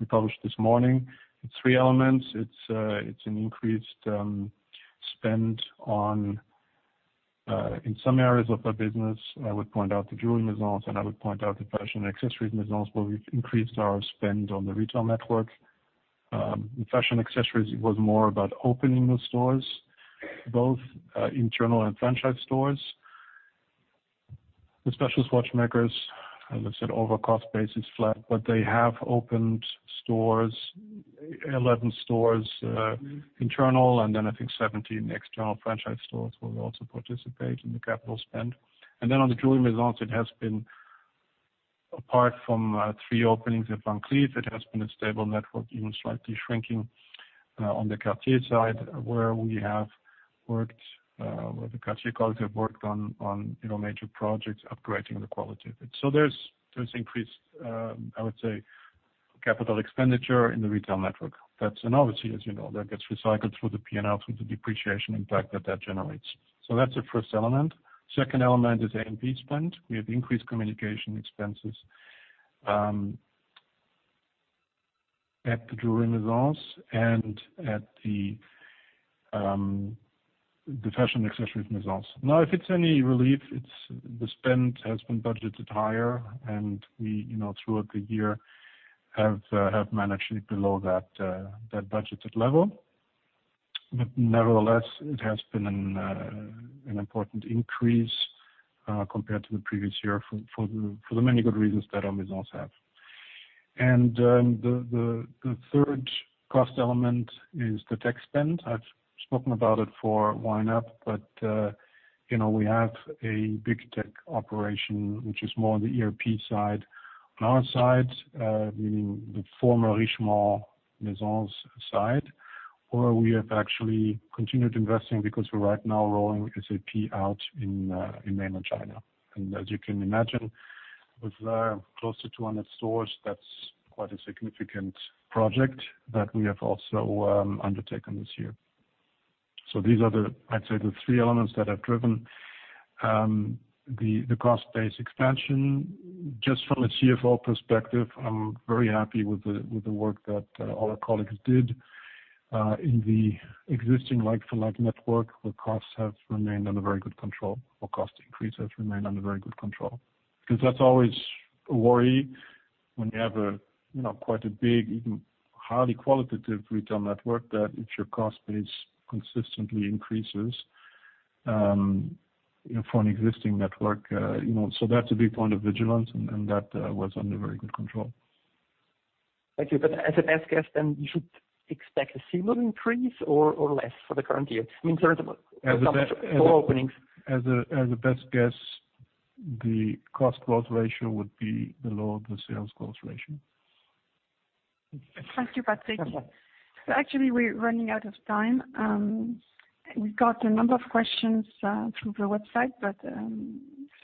published this morning. It's three elements. It's an increased spend on, in some areas of our business, I would point out the jewelry Maisons, I would point out the fashion accessories Maisons, where we've increased our spend on the retail network. In fashion accessories, it was more about opening the stores, both internal and franchise stores. The specialist watchmakers, as I said, overall cost base is flat, but they have opened stores, 11 stores, internal, and then I think 17 external franchise stores will also participate in the capital spend. On the jewelry Maisons, it has been apart from three openings in Van Cleef, it has been a stable network, even slightly shrinking on the Cartier side, where the Cartier colleagues have worked on major projects, upgrading the quality of it. There's increased, I would say, capital expenditure in the retail network. That's an obvious thing, as you know. That gets recycled through the P&L, through the depreciation impact that that generates. That's the first element. Second element is A&P spend. We have increased communication expenses at the jewelry Maisons and at the fashion accessories Maisons. If it's any relief, the spend has been budgeted higher and we, throughout the year, have managed it below that budgeted level. Nevertheless, it has been an important increase compared to the previous year for the many good reasons that our Maisons have. The third cost element is the tech spend. I've spoken about it for YNAP, but we have a big tech operation, which is more on the ERP side. On our side, meaning the former Richemont Maisons side, where we have actually continued investing because we're right now rolling SAP out in mainland China. As you can imagine, with close to 200 stores, that's quite a significant project that we have also undertaken this year. These are, I'd say, the three elements that have driven the cost base expansion. Just from a CFO perspective, I'm very happy with the work that all our colleagues did in the existing like-for-like network, where costs have remained under very good control or cost increase has remained under very good control. Because that's always a worry when you have quite a big, even highly qualitative retail network, that if your cost base consistently increases for an existing network. That's a big point of vigilance, and that was under very good control. Thank you. As a best guess, then you should expect a similar increase or less for the current year? I mean, in terms of store openings. As a best guess, the cost growth ratio would be below the sales growth ratio. Thank you, Patrik. Actually, we're running out of time. We've got a number of questions through the website.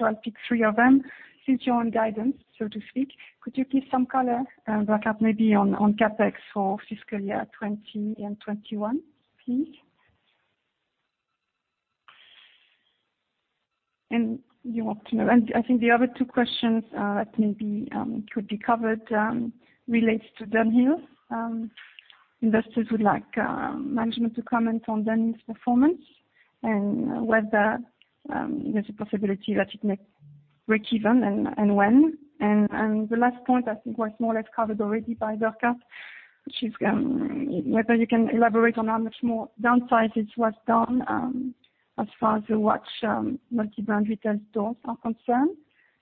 I'll pick three of them. Since you're on guidance, so to speak, could you give some color, Burkhart, maybe on CapEx for fiscal year 2020 and 2021, please? I think the other two questions that maybe could be covered relates to Dunhill. Investors would like management to comment on Dunhill's performance and whether there's a possibility that it may break even, and when. The last point I think was more or less covered already by Burkhart, which is whether you can elaborate on how much more downsizing was done as far as the watch multi-brand retail stores are concerned.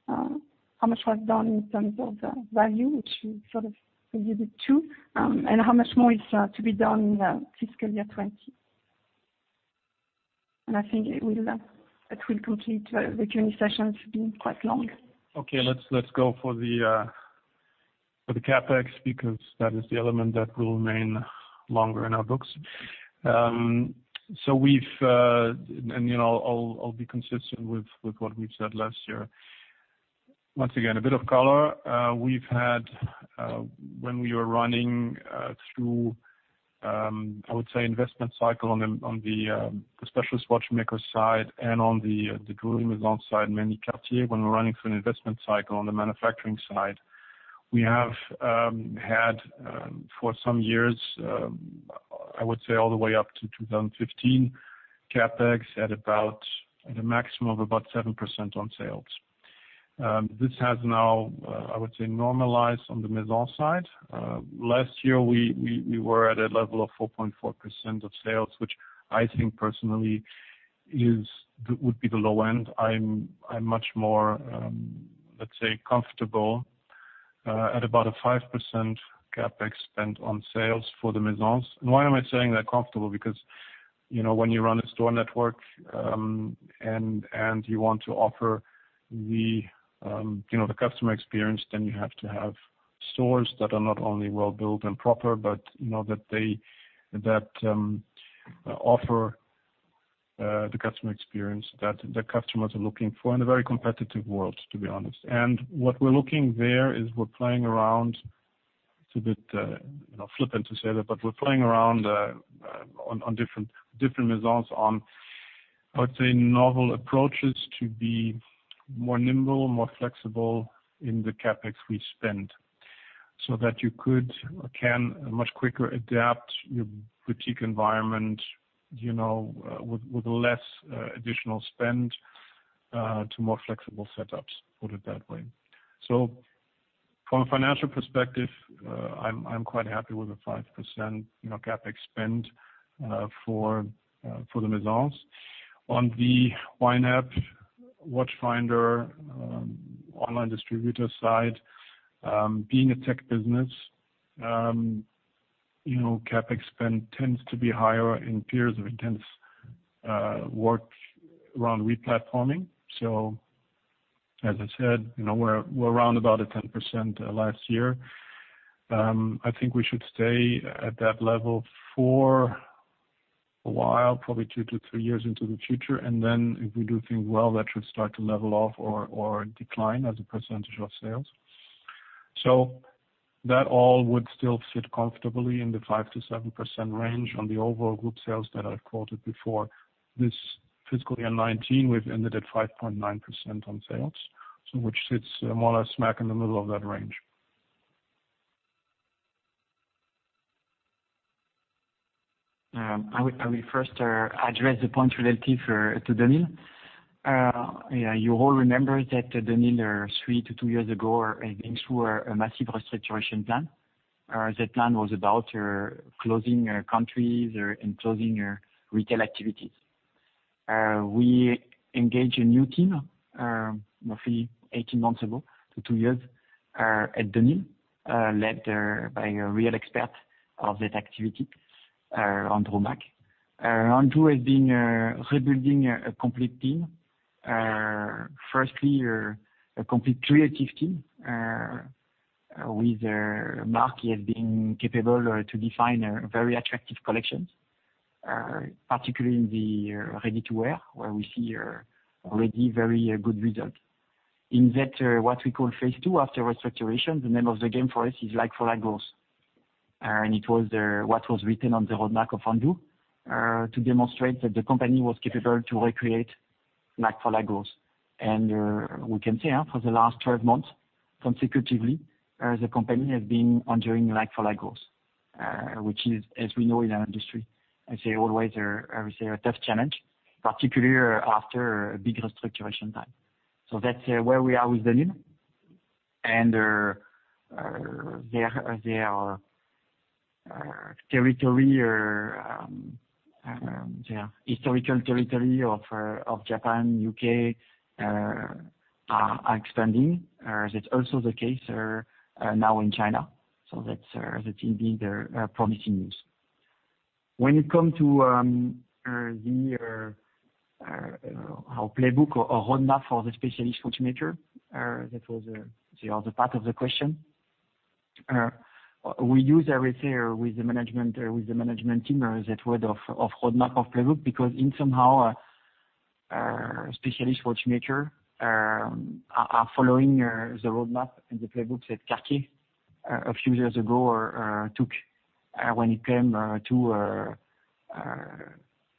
How much was done in terms of the value, which you sort of alluded to, and how much more is to be done in fiscal year 2020? I think it will complete. The Q&A session has been quite long. Okay, let's go for the CapEx because that is the element that will remain longer in our books. I'll be consistent with what we've said last year. Once again, a bit of color. We've had when we were running through, I would say, investment cycle on the specialist watchmaker side and on the jewelry Maison side, mainly Cartier, when we're running through an investment cycle on the manufacturing side. We have had for some years, I would say all the way up to 2015, CapEx at a maximum of about 7% on sales. This has now, I would say, normalized on the Maison side. Last year, we were at a level of 4.4% of sales, which I think personally would be the low end. I'm much more, let's say, comfortable at about a 5% CapEx spend on sales for the Maisons. Why am I saying that, comfortable? When you run a store network and you want to offer the customer experience, then you have to have stores that are not only well-built and proper, but that offer the customer experience that the customers are looking for in a very competitive world, to be honest. What we're looking there is we're playing around, it's a bit flippant to say that, but we're playing around on different Maisons on, let's say, novel approaches to be more nimble, more flexible in the CapEx we spend. That you can much quicker adapt your boutique environment with less additional spend to more flexible setups. Put it that way. From a financial perspective, I'm quite happy with the 5% CapEx spend for the Maisons. On the YNAP, Watchfinder, online distributor side. Being a tech business CapEx spend tends to be higher in periods of intense work around re-platforming. As I said, we're around about a 10% last year. I think we should stay at that level for a while, probably two to three years into the future. Then if we do think well, that should start to level off or decline as a percentage of sales. That all would still fit comfortably in the 5%-7% range on the overall group sales that I quoted before. This fiscal year 2019, we've ended at 5.9% on sales, which sits more or less smack in the middle of that range. I will first address the point relative to Dunhill. You all remember that the Dunhill three to two years ago went through a massive restoration plan. That plan was about closing countries and closing retail activities. We engaged a new team roughly 18 months ago to two years at Dunhill, led by a real expert of that activity, Andrew Maag. Andrew has been rebuilding a complete team. Firstly, a complete creative team with Mark, he has been capable to design very attractive collections, particularly in the ready-to-wear, where we see already very good results. In that, what we call phase 2 after restoration, the name of the game for us is like-for-like growth. It was what was written on the roadmap of Andrew to demonstrate that the company was capable to recreate like-for-like growth. We can say for the last 12 months, consecutively, the company has been enduring like-for-like growth, which is, as we know in our industry, I say always a tough challenge, particularly after a big restoration time. That's where we are with Dunhill and their historical territory of Japan, U.K. are expanding. That's also the case now in China. That's indeed promising news. When it comes to our playbook or roadmap for the specialist watchmaker, that was the other part of the question. We use everything with the management team that word of roadmap, of playbook, because in somehow specialist watchmakers are following the roadmap and the playbook that Cartier a few years ago took when it came to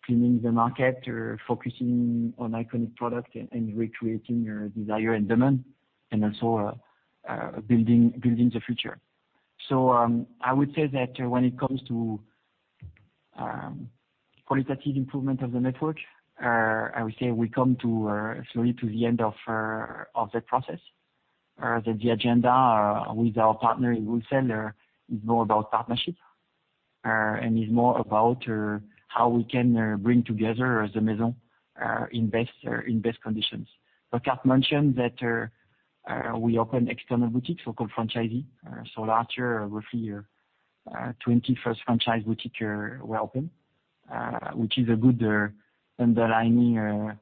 cleaning the market or focusing on iconic product and recreating desire and demand, and also building the future. I would say that when it comes to qualitative improvement of the network, I would say we come slowly to the end of that process. The agenda with our partner in [Ruesse]l is more about partnership and is more about how we can bring together the maison in best conditions. Cath mentioned that we opened external boutiques for called franchisee. Last year roughly 21st franchise boutique were opened, which is a good underlining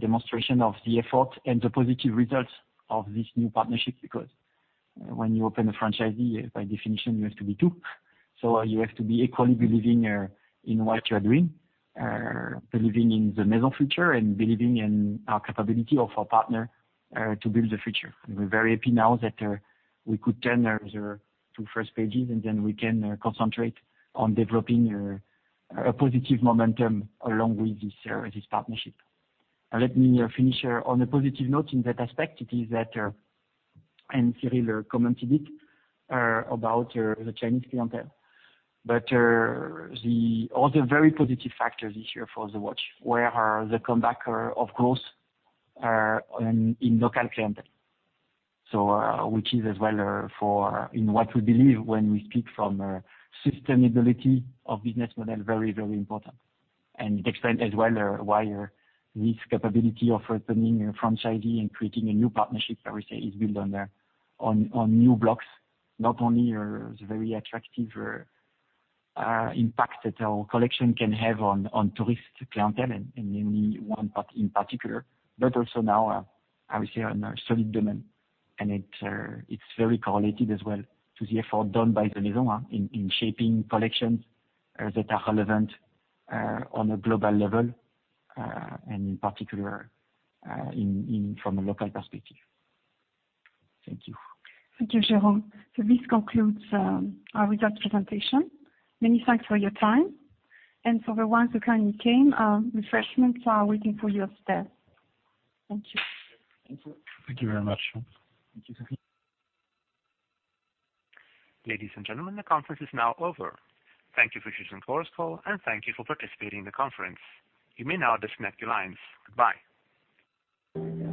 demonstration of the effort and the positive results of this new partnership, because when you open a franchisee, by definition, you have to be two. You have to be equally believing in what you are doing, believing in the maison future and believing in our capability of our partner to build the future. We're very happy now that we could turn the two first pages, then we can concentrate on developing a positive momentum along with this partnership. Let me finish on a positive note in that aspect, it is that, Cyrille commented it about the Chinese clientele, all the very positive factors this year for the watch were the comeback of growth in local clientele. Which is as well for in what we believe when we speak from a sustainability of business model, very important. It explains as well why this capability of opening a franchisee and creating a new partnership, I would say, is built on new blocks, not only is very attractive impact that our collection can have on tourist clientele and in one part in particular, but also now, I would say on a solid demand. It's very correlated as well to the effort done by the maison in shaping collections that are relevant on a global level, and in particular from a local perspective. Thank you. Thank you, Jérôme. This concludes our results presentation. Many thanks for your time and for the ones who kindly came, refreshments are waiting for you upstairs. Thank you. Thank you. Thank you very much. Thank you. Ladies and gentlemen, the conference is now over. Thank you for choosing Chorus Call, and thank you for participating in the conference. You may now disconnect your lines. Goodbye.